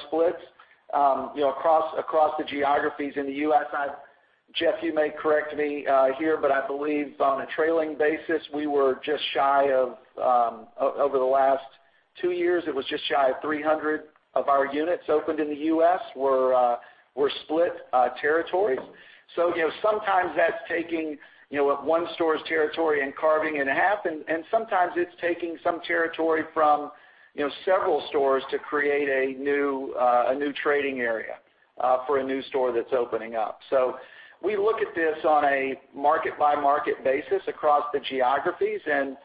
Speaker 4: split across the geographies in the U.S. Jeff, you may correct me here, but I believe on a trailing basis, we were just shy of, over the last 2 years, it was just shy of 300 of our units opened in the U.S. were split territories. Sometimes that's taking one store's territory and carving it in half, and sometimes it's taking some territory from several stores to create a new trading area for a new store that's opening up. We look at this on a market-by-market basis across the geographies, and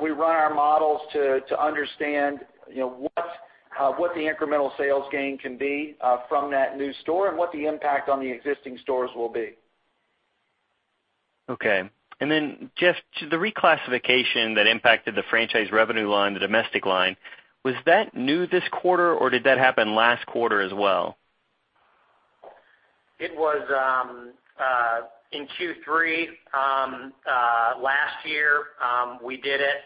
Speaker 4: we run our models to understand what the incremental sales gain can be from that new store and what the impact on the existing stores will be.
Speaker 13: Okay. Jeff, the reclassification that impacted the franchise revenue line, the domestic line, was that new this quarter, or did that happen last quarter as well?
Speaker 3: It was in Q3 last year we did it.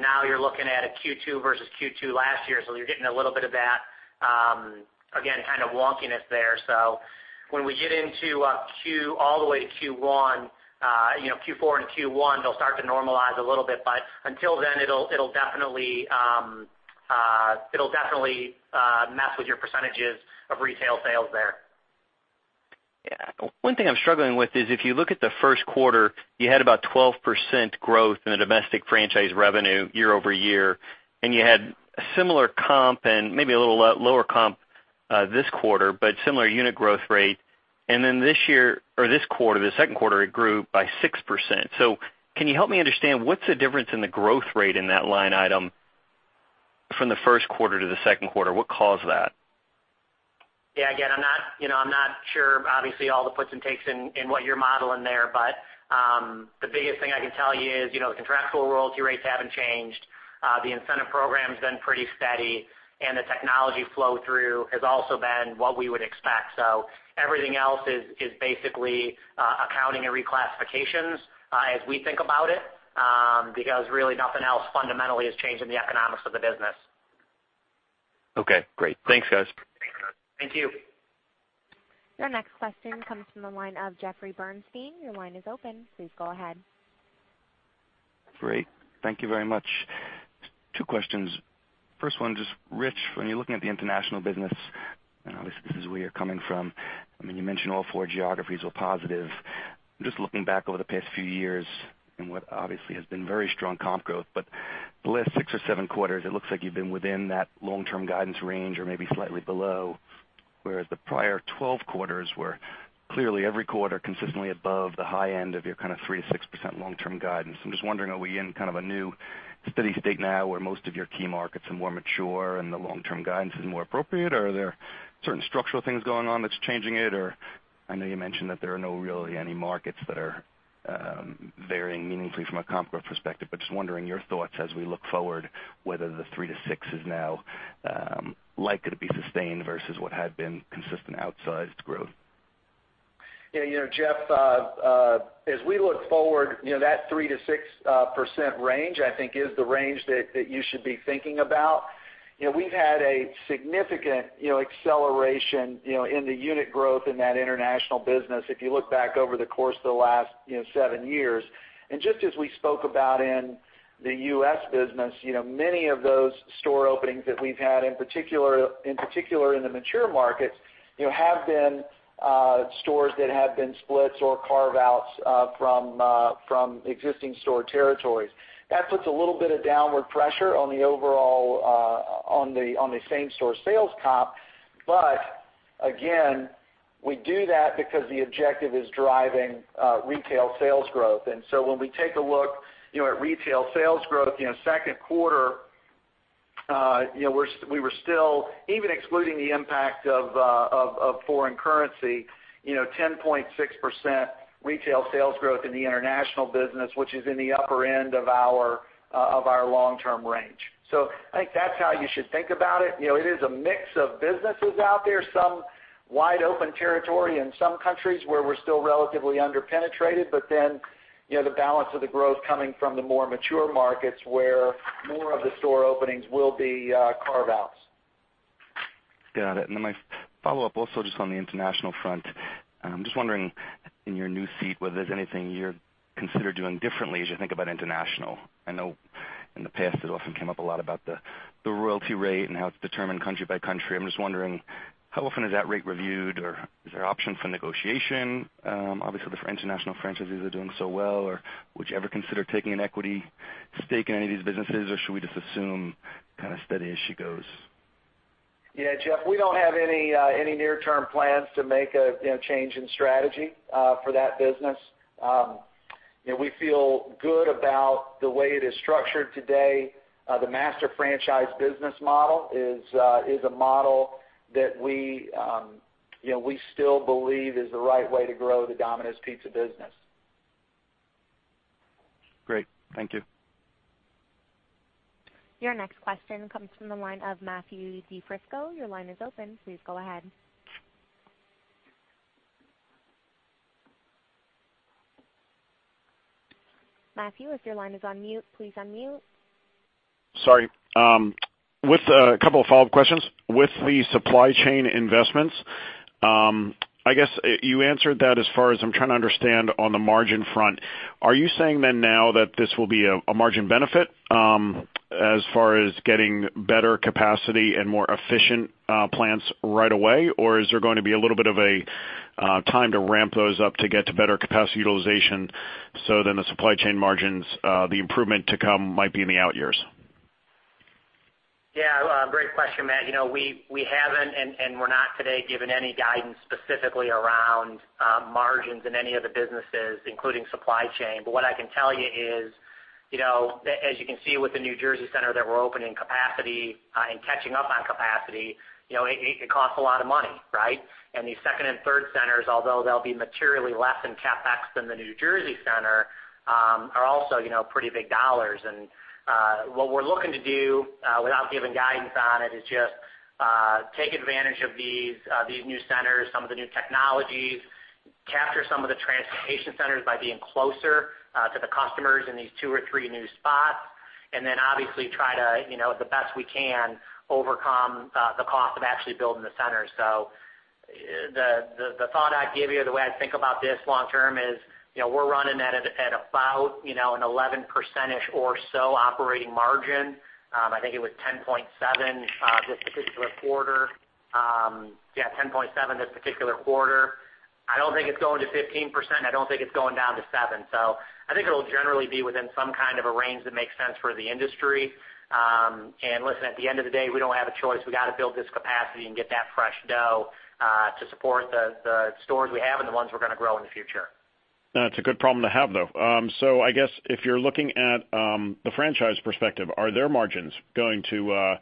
Speaker 3: Now you're looking at a Q2 versus Q2 last year, you're getting a little bit of that, again, kind of wonkiness there. When we get into all the way to Q4 and Q1, they'll start to normalize a little bit, but until then, it'll definitely mess with your percentages of retail sales there.
Speaker 13: Yeah. One thing I'm struggling with is if you look at the first quarter, you had about 12% growth in the domestic franchise revenue year-over-year, and you had a similar comp and maybe a little lower comp this quarter, but similar unit growth rate. This year or this quarter, the second quarter, it grew by 6%. Can you help me understand what's the difference in the growth rate in that line item from the first quarter to the second quarter? What caused that?
Speaker 3: Yeah. Again, I'm not sure, obviously, all the puts and takes in what you're modeling there, but the biggest thing I can tell you is the contractual royalty rates haven't changed. The incentive program's been pretty steady, and the technology flow through has also been what we would expect. Everything else is basically accounting and reclassifications as we think about it because really nothing else fundamentally has changed in the economics of the business.
Speaker 13: Okay, great. Thanks, guys.
Speaker 3: Thank you.
Speaker 1: Your next question comes from the line of Jeffrey Bernstein. Your line is open. Please go ahead.
Speaker 14: Great. Thank you very much. Two questions. First one, just Rich, when you're looking at the international business, and obviously this is where you're coming from, you mentioned all four geographies were positive. Just looking back over the past few years and what obviously has been very strong comp growth, but the last six or seven quarters, it looks like you've been within that long-term guidance range or maybe slightly below, whereas the prior 12 quarters were clearly every quarter consistently above the high end of your kind of 3%-6% long-term guidance. I'm just wondering, are we in kind of a new steady state now where most of your key markets are more mature and the long-term guidance is more appropriate, or are there certain structural things going on that's changing it or I know you mentioned that there are not really any markets that are varying meaningfully from a comp growth perspective, but just wondering your thoughts as we look forward, whether the 3%-6% is now likely to be sustained versus what had been consistent outsized growth.
Speaker 4: Yeah, Jeff, as we look forward, that 3%-6% range, I think is the range that you should be thinking about. We've had a significant acceleration in the unit growth in that international business, if you look back over the course of the last seven years. Just as we spoke about in the U.S. business, many of those store openings that we've had, in particular in the mature markets, have been stores that have been splits or carve-outs from existing store territories. That puts a little bit of downward pressure on the overall same-store sales comp. Again, we do that because the objective is driving retail sales growth. When we take a look at retail sales growth, second quarter, we were still, even excluding the impact of foreign currency, 10.6% retail sales growth in the international business, which is in the upper end of our long-term range. I think that's how you should think about it. It is a mix of businesses out there, some wide open territory in some countries where we're still relatively under-penetrated. The balance of the growth coming from the more mature markets, where more of the store openings will be carve-outs.
Speaker 14: Got it. My follow-up, also just on the international front. I'm just wondering, in your new seat, whether there's anything you consider doing differently as you think about international. I know in the past it often came up a lot about the royalty rate and how it's determined country by country. I'm just wondering, how often is that rate reviewed or is there option for negotiation? Obviously, the international franchises are doing so well, or would you ever consider taking an equity stake in any of these businesses, or should we just assume kind of steady as she goes?
Speaker 4: Yeah, Jeff, we don't have any near-term plans to make a change in strategy for that business. We feel good about the way it is structured today. The master franchise business model is a model that we still believe is the right way to grow the Domino's Pizza business.
Speaker 14: Great. Thank you.
Speaker 1: Your next question comes from the line of Matthew DiFrisco. Your line is open. Please go ahead. Matthew, if your line is on mute, please unmute.
Speaker 15: Sorry. A couple of follow-up questions. With the supply chain investments, I guess you answered that as far as I'm trying to understand on the margin front. Are you saying now that this will be a margin benefit as far as getting better capacity and more efficient plants right away? Is there going to be a little bit of a time to ramp those up to get to better capacity utilization, the supply chain margins, the improvement to come might be in the out years?
Speaker 3: Yeah. Great question, Matt. We haven't, and we're not today giving any guidance specifically around margins in any of the businesses, including supply chain. What I can tell you is, as you can see with the New Jersey center that we're opening capacity and catching up on capacity, it costs a lot of money, right? These second and third centers, although they'll be materially less in CapEx than the New Jersey center, are also pretty big dollars. What we're looking to do, without giving guidance on it, is just take advantage of these new centers, some of the new technologies, capture some of the transportation centers by being closer to the customers in these two or three new spots. Obviously try to, the best we can, overcome the cost of actually building the center. The thought I'd give you, the way I'd think about this long term is, we're running at about an 11% or so operating margin. I think it was 10.7% this particular quarter. Yeah, 10.7% this particular quarter. I don't think it's going to 15%, I don't think it's going down to 7%. I think it'll generally be within some kind of a range that makes sense for the industry. Listen, at the end of the day, we don't have a choice. We got to build this capacity and get that fresh dough, to support the stores we have and the ones we're going to grow in the future.
Speaker 15: That's a good problem to have, though. I guess if you're looking at the franchise perspective, are their margins going to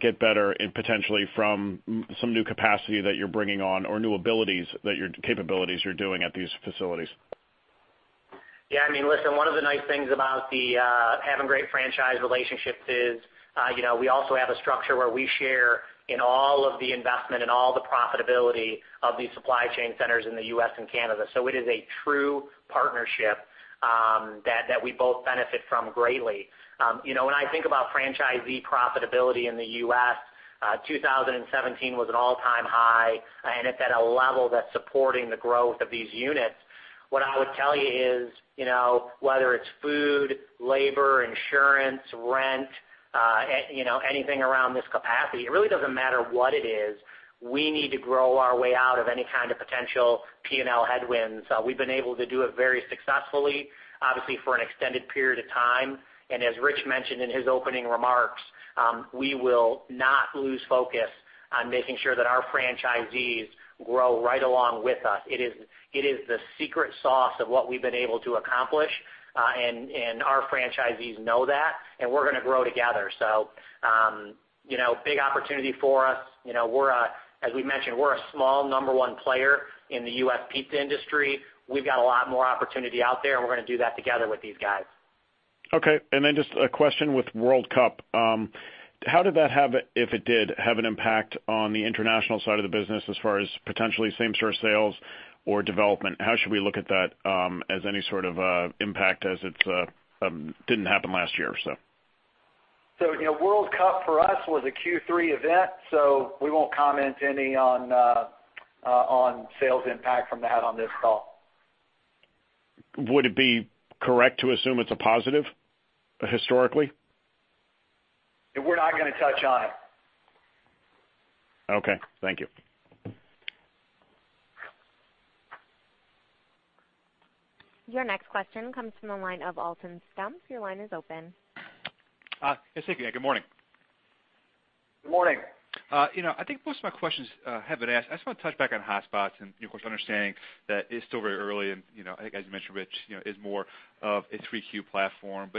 Speaker 15: get better potentially from some new capacity that you're bringing on, or new capabilities you're doing at these facilities?
Speaker 3: Listen, one of the nice things about having great franchise relationships is, we also have a structure where we share in all of the investment and all the profitability of these supply chain centers in the U.S. and Canada. It is a true partnership that we both benefit from greatly. When I think about franchisee profitability in the U.S., 2017 was an all-time high, and it's at a level that's supporting the growth of these units. What I would tell you is, whether it's food, labor, insurance, rent, anything around this capacity, it really doesn't matter what it is. We need to grow our way out of any kind of potential P&L headwinds. We've been able to do it very successfully, obviously for an extended period of time. As Rich mentioned in his opening remarks, we will not lose focus on making sure that our franchisees grow right along with us. It is the secret sauce of what we've been able to accomplish. Our franchisees know that, and we're going to grow together. Big opportunity for us. As we mentioned, we're a small number one player in the U.S. pizza industry. We've got a lot more opportunity out there, and we're going to do that together with these guys.
Speaker 15: Okay. Just a question with World Cup. How did that, if it did, have an impact on the international side of the business as far as potentially same-store sales or development? How should we look at that as any sort of impact as it didn't happen last year?
Speaker 4: World Cup for us was a Q3 event, so we won't comment any on sales impact from that on this call.
Speaker 15: Would it be correct to assume it's a positive historically?
Speaker 4: We're not going to touch on it.
Speaker 15: Okay. Thank you.
Speaker 1: Your next question comes from the line of Alton Stump. Your line is open.
Speaker 16: Hi. It's A.K. Good morning.
Speaker 4: Good morning.
Speaker 16: I think most of my questions have been asked. I just want to touch back on Hotspots and, of course, understanding that it's still very early and, I think as you mentioned, Rich, is more of a Q3 platform.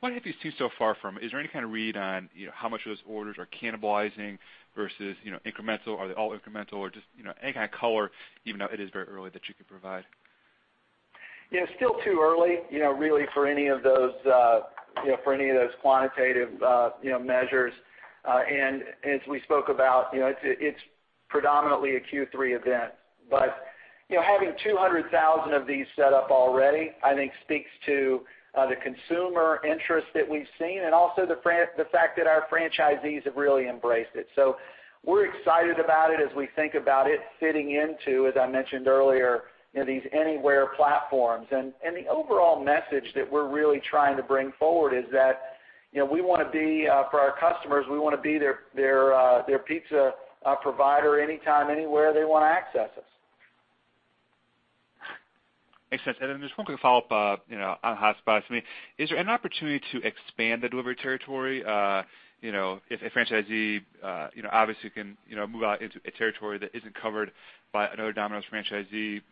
Speaker 16: What have you seen so far from them? Is there any kind of read on how much of those orders are cannibalizing versus incremental? Are they all incremental or just any kind of color, even though it is very early, that you could provide?
Speaker 4: Yeah, it's still too early really for any of those quantitative measures. As we spoke about, it's predominantly a Q3 event. Having 200,000 of these set up already, I think speaks to the consumer interest that we've seen and also the fact that our franchisees have really embraced it. We're excited about it as we think about it fitting into, as I mentioned earlier, these AnyWare platforms. The overall message that we're really trying to bring forward is that for our customers, we want to be their pizza provider anytime, anywhere they want to access us.
Speaker 16: Makes sense. Just one quick follow-up on Hotspots. I mean, is there an opportunity to expand the delivery territory? If a franchisee obviously can move out into a territory that isn't covered by another Domino's franchisee,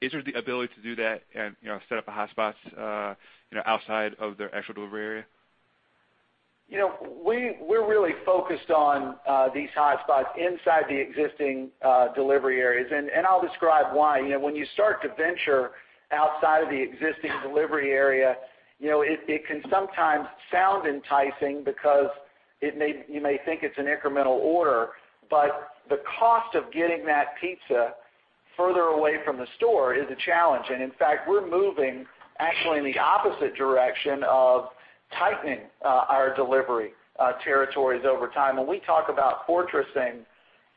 Speaker 16: is there the ability to do that and set up a Hotspot outside of their actual delivery area?
Speaker 4: We're really focused on these Hotspots inside the existing delivery areas, and I'll describe why. When you start to venture outside of the existing delivery area, it can sometimes sound enticing because you may think it's an incremental order, but the cost of getting that pizza further away from the store is a challenge. In fact, we're moving actually in the opposite direction of tightening our delivery territories over time. When we talk about fortressing,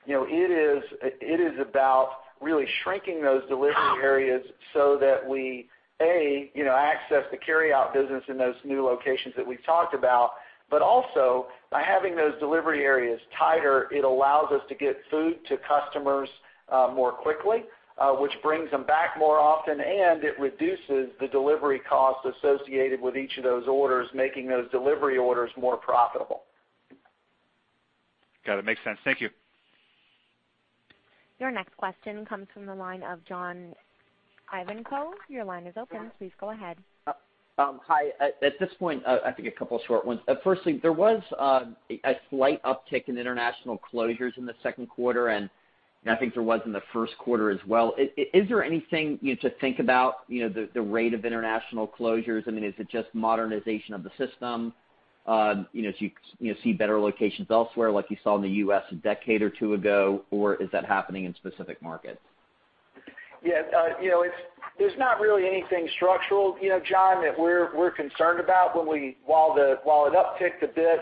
Speaker 4: it is about really shrinking those delivery areas so that we, A, access the carryout business in those new locations that we've talked about. Also, by having those delivery areas tighter, it allows us to get food to customers more quickly, which brings them back more often, and it reduces the delivery costs associated with each of those orders, making those delivery orders more profitable.
Speaker 16: Got it. Makes sense. Thank you.
Speaker 1: Your next question comes from the line of John Ivankoe. Your line is open. Please go ahead.
Speaker 17: Hi. At this point, I think a couple short ones. Firstly, there was a slight uptick in international closures in the second quarter, and I think there was in the first quarter as well. Is there anything you'd just think about, the rate of international closures? I mean, is it just modernization of the system? Do you see better locations elsewhere like you saw in the U.S. a decade or two ago, or is that happening in specific markets?
Speaker 4: Yeah. There's not really anything structural, John, that we're concerned about. While it upticked a bit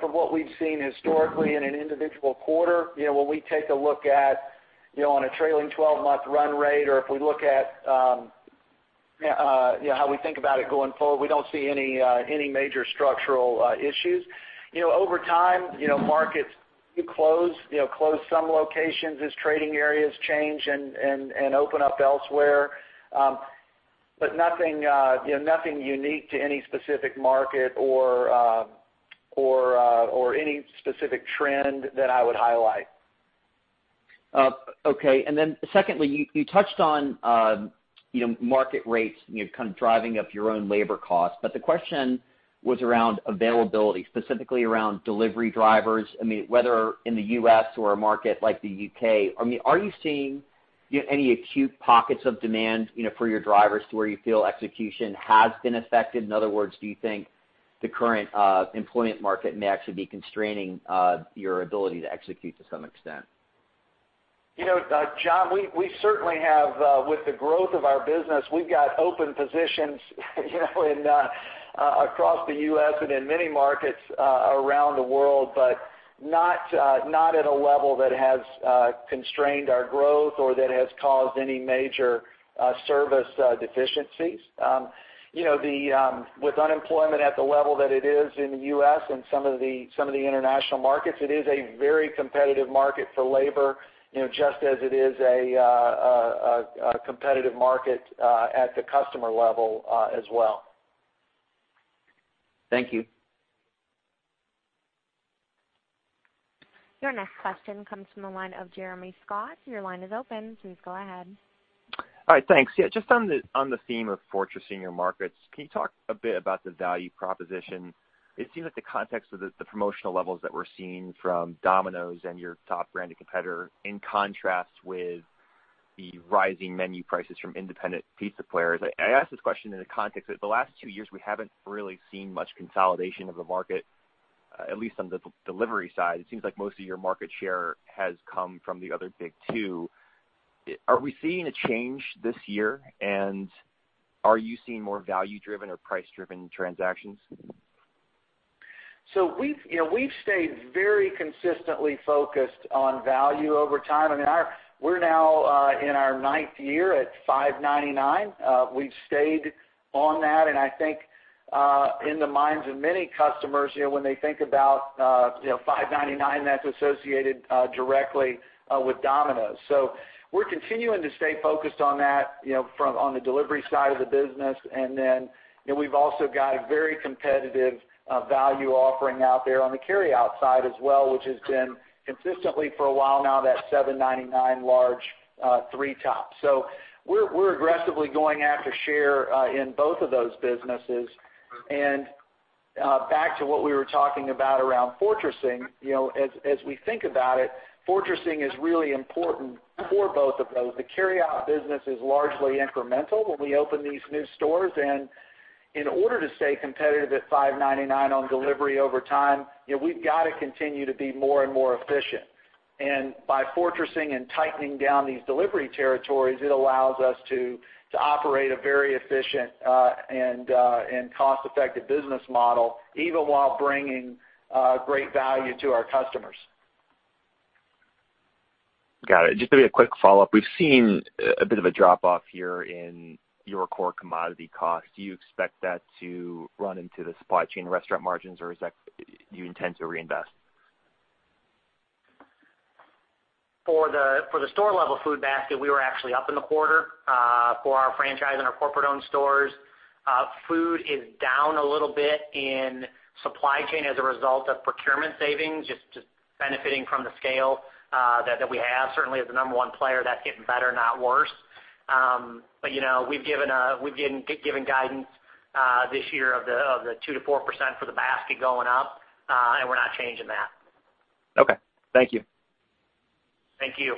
Speaker 4: from what we've seen historically in an individual quarter, when we take a look at on a trailing 12-month run rate, or if we look at how we think about it going forward, we don't see any major structural issues. Over time, markets close some locations as trading areas change and open up elsewhere. Nothing unique to any specific market or any specific trend that I would highlight.
Speaker 17: Secondly, you touched on market rates kind of driving up your own labor costs. The question was around availability, specifically around delivery drivers. Whether in the U.S. or a market like the U.K., are you seeing any acute pockets of demand for your drivers to where you feel execution has been affected? In other words, do you think the current employment market may actually be constraining your ability to execute to some extent?
Speaker 4: John, with the growth of our business, we've got open positions across the U.S. and in many markets around the world. Not at a level that has constrained our growth or that has caused any major service deficiencies. With unemployment at the level that it is in the U.S. and some of the international markets, it is a very competitive market for labor just as it is a competitive market at the customer level as well.
Speaker 17: Thank you.
Speaker 1: Your next question comes from the line of Jeremy Scott. Your line is open. Please go ahead.
Speaker 18: All right. Thanks. Yeah. Just on the theme of fortressing your markets, can you talk a bit about the value proposition? It seems like the context of the promotional levels that we're seeing from Domino's and your top branded competitor in contrast with the rising menu prices from independent pizza players. I ask this question in the context that the last two years, we haven't really seen much consolidation of the market, at least on the delivery side. It seems like most of your market share has come from the other big two. Are we seeing a change this year? Are you seeing more value-driven or price-driven transactions?
Speaker 4: We've stayed very consistently focused on value over time. We're now in our ninth year at $5.99. We've stayed on that, and I think in the minds of many customers, when they think about $5.99, that's associated directly with Domino's. We're continuing to stay focused on that on the delivery side of the business, and then we've also got a very competitive value offering out there on the carryout side as well, which has been consistently for a while now, that $7.99 large three-top. We're aggressively going after share in both of those businesses. And back to what we were talking about around fortressing, as we think about it, fortressing is really important for both of those. The carryout business is largely incremental when we open these new stores. In order to stay competitive at $5.99 on delivery over time, we've got to continue to be more and more efficient. And by fortressing and tightening down these delivery territories, it allows us to operate a very efficient and cost-effective business model, even while bringing great value to our customers.
Speaker 18: Got it. Just maybe a quick follow-up. We've seen a bit of a drop-off here in your core commodity cost. Do you expect that to run into the supply chain restaurant margins, or do you intend to reinvest?
Speaker 3: For the store-level food basket, we were actually up in the quarter for our franchise and our corporate-owned stores. Food is down a little bit in supply chain as a result of procurement savings, just benefiting from the scale that we have. Certainly as the number 1 player, that's getting better, not worse. We've given guidance this year of the 2%-4% for the basket going up, we're not changing that.
Speaker 18: Okay. Thank you.
Speaker 3: Thank you.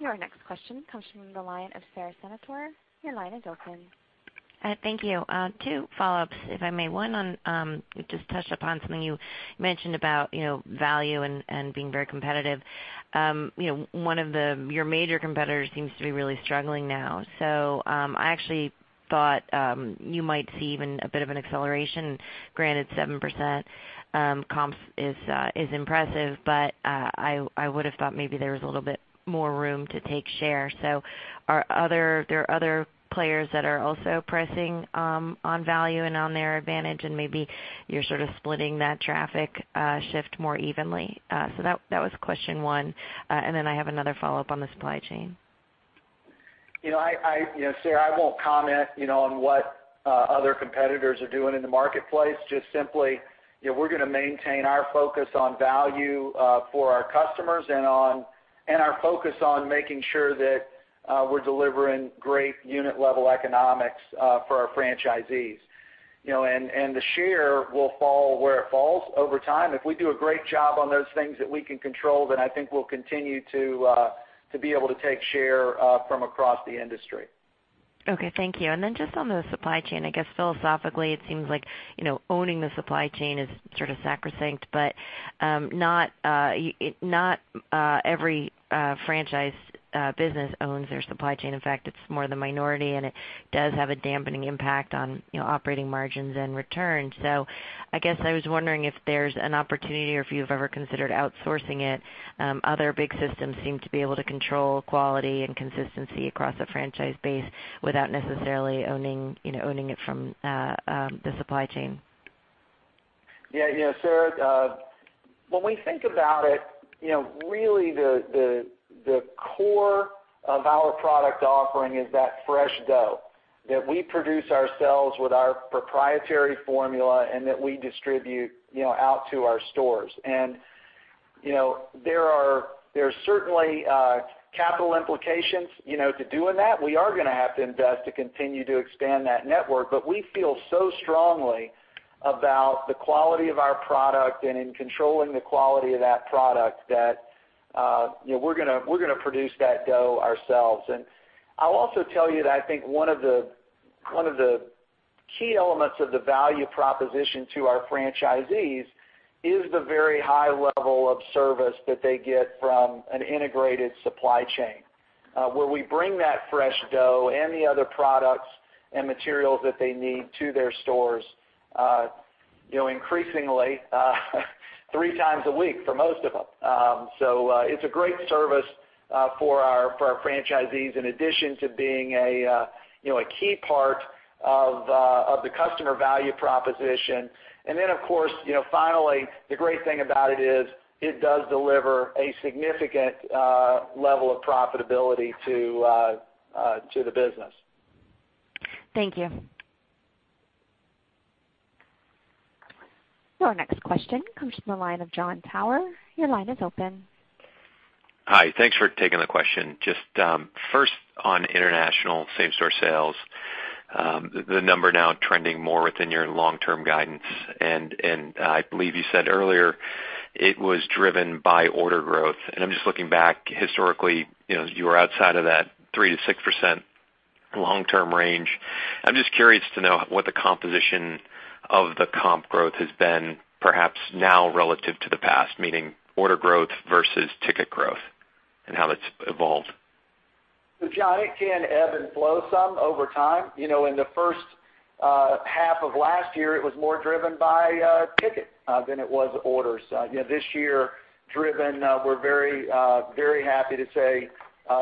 Speaker 1: Your next question comes from the line of Sara Senatore. Your line is open.
Speaker 19: Thank you. Two follow-ups, if I may. You just touched upon something you mentioned about value and being very competitive. One of your major competitors seems to be really struggling now. I actually thought you might see even a bit of an acceleration. Granted, 7% comps is impressive, but I would've thought maybe there was a little bit more room to take share. There are other players that are also pressing on value and on their advantage, and maybe you're sort of splitting that traffic shift more evenly. That was question one, and I have another follow-up on the supply chain.
Speaker 4: Sara, I won't comment on what other competitors are doing in the marketplace, just simply, we're going to maintain our focus on value for our customers and our focus on making sure that we're delivering great unit-level economics for our franchisees. The share will fall where it falls over time. If we do a great job on those things that we can control, I think we'll continue to be able to take share from across the industry.
Speaker 19: Okay, thank you. Just on the supply chain, I guess philosophically, it seems like owning the supply chain is sort of sacrosanct, but not every franchise business owns their supply chain. In fact, it's more the minority, and it does have a dampening impact on operating margins and returns. I guess I was wondering if there's an opportunity or if you've ever considered outsourcing it. Other big systems seem to be able to control quality and consistency across a franchise base without necessarily owning it from the supply chain.
Speaker 4: Yeah, Sara, when we think about it, really the core of our product offering is that fresh dough that we produce ourselves with our proprietary formula and that we distribute out to our stores. There are certainly capital implications to doing that. We are going to have to invest to continue to expand that network. We feel so strongly about the quality of our product and in controlling the quality of that product that we're going to produce that dough ourselves. I'll also tell you that I think one of the key elements of the value proposition to our franchisees is the very high level of service that they get from an integrated supply chain where we bring that fresh dough and the other products and materials that they need to their stores, increasingly three times a week for most of them. It's a great service for our franchisees, in addition to being a key part of the customer value proposition. Of course, finally, the great thing about it is it does deliver a significant level of profitability to the business.
Speaker 19: Thank you.
Speaker 1: Your next question comes from the line of Jon Tower. Your line is open.
Speaker 20: Hi, thanks for taking the question. Just first on international same-store sales, the number now trending more within your long-term guidance, and I believe you said earlier it was driven by order growth. I'm just looking back historically, you were outside of that 3%-6% long-term range. I'm just curious to know what the composition of the comp growth has been, perhaps now relative to the past, meaning order growth versus ticket growth, and how that's evolved.
Speaker 4: John, it can ebb and flow some over time. In the first half of last year, it was more driven by ticket than it was orders. This year driven, we are very happy to say,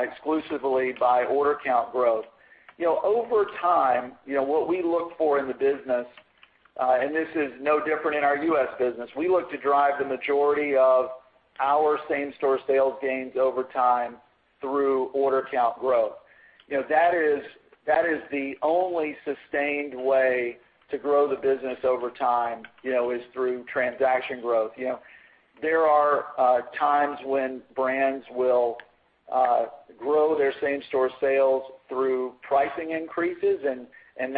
Speaker 4: exclusively by order count growth. Over time, what we look for in the business, and this is no different in our U.S. business, we look to drive the majority of our same-store sales gains over time through order count growth. That is the only sustained way to grow the business over time, is through transaction growth. There are times when brands will grow their same-store sales through pricing increases, and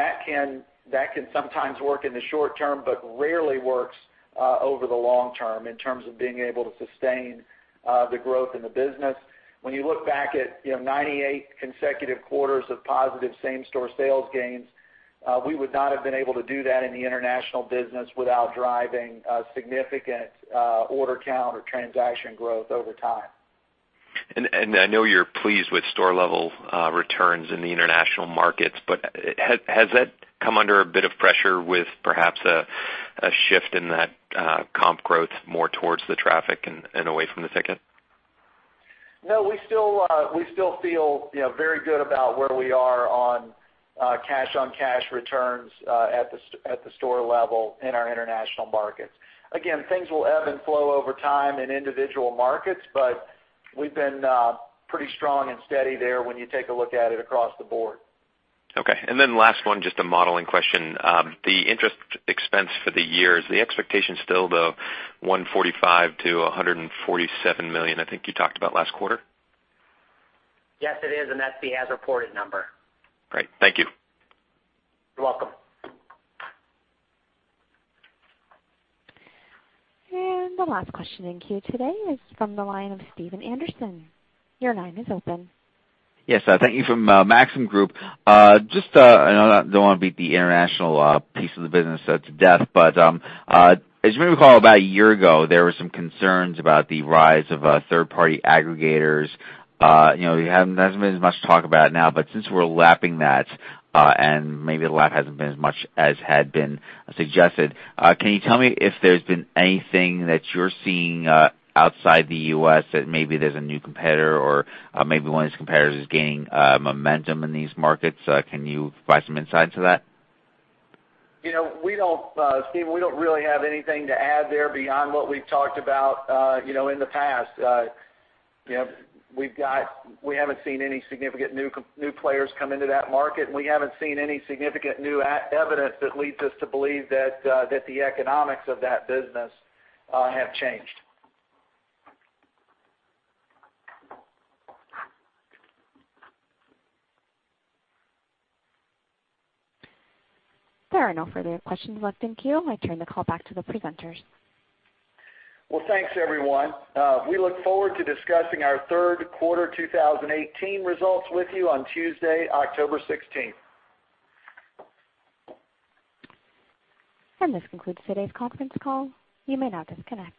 Speaker 4: that can sometimes work in the short term, but rarely works over the long term in terms of being able to sustain the growth in the business. When you look back at 98 consecutive quarters of positive same-store sales gains, we would not have been able to do that in the international business without driving significant order count or transaction growth over time.
Speaker 20: I know you are pleased with store-level returns in the international markets, but has that come under a bit of pressure with perhaps a shift in that comp growth more towards the traffic and away from the ticket?
Speaker 4: We still feel very good about where we are on cash-on-cash returns at the store level in our international markets. Again, things will ebb and flow over time in individual markets, but we have been pretty strong and steady there when you take a look at it across the board.
Speaker 20: Okay. Last one, just a modeling question. The interest expense for the year, is the expectation still the $145 million-$147 million I think you talked about last quarter?
Speaker 3: Yes, it is. That's the as-reported number.
Speaker 20: Great. Thank you.
Speaker 4: You're welcome.
Speaker 1: The last question in queue today is from the line of Stephen Anderson. Your line is open.
Speaker 21: Yes. Thank you. From Maxim Group. I don't want to beat the international piece of the business to death, but as you may recall, about a year ago, there were some concerns about the rise of third-party aggregators. There hasn't been as much talk about it now, but since we're lapping that, and maybe the lap hasn't been as much as had been suggested, can you tell me if there's been anything that you're seeing outside the U.S. that maybe there's a new competitor or maybe one of these competitors is gaining momentum in these markets? Can you provide some insight to that?
Speaker 4: Steve, we don't really have anything to add there beyond what we've talked about in the past. We haven't seen any significant new players come into that market, and we haven't seen any significant new evidence that leads us to believe that the economics of that business have changed.
Speaker 1: There are no further questions left in queue. I turn the call back to the presenters.
Speaker 4: Well, thanks everyone. We look forward to discussing our third quarter 2018 results with you on Tuesday, October 16th.
Speaker 1: This concludes today's conference call. You may now disconnect.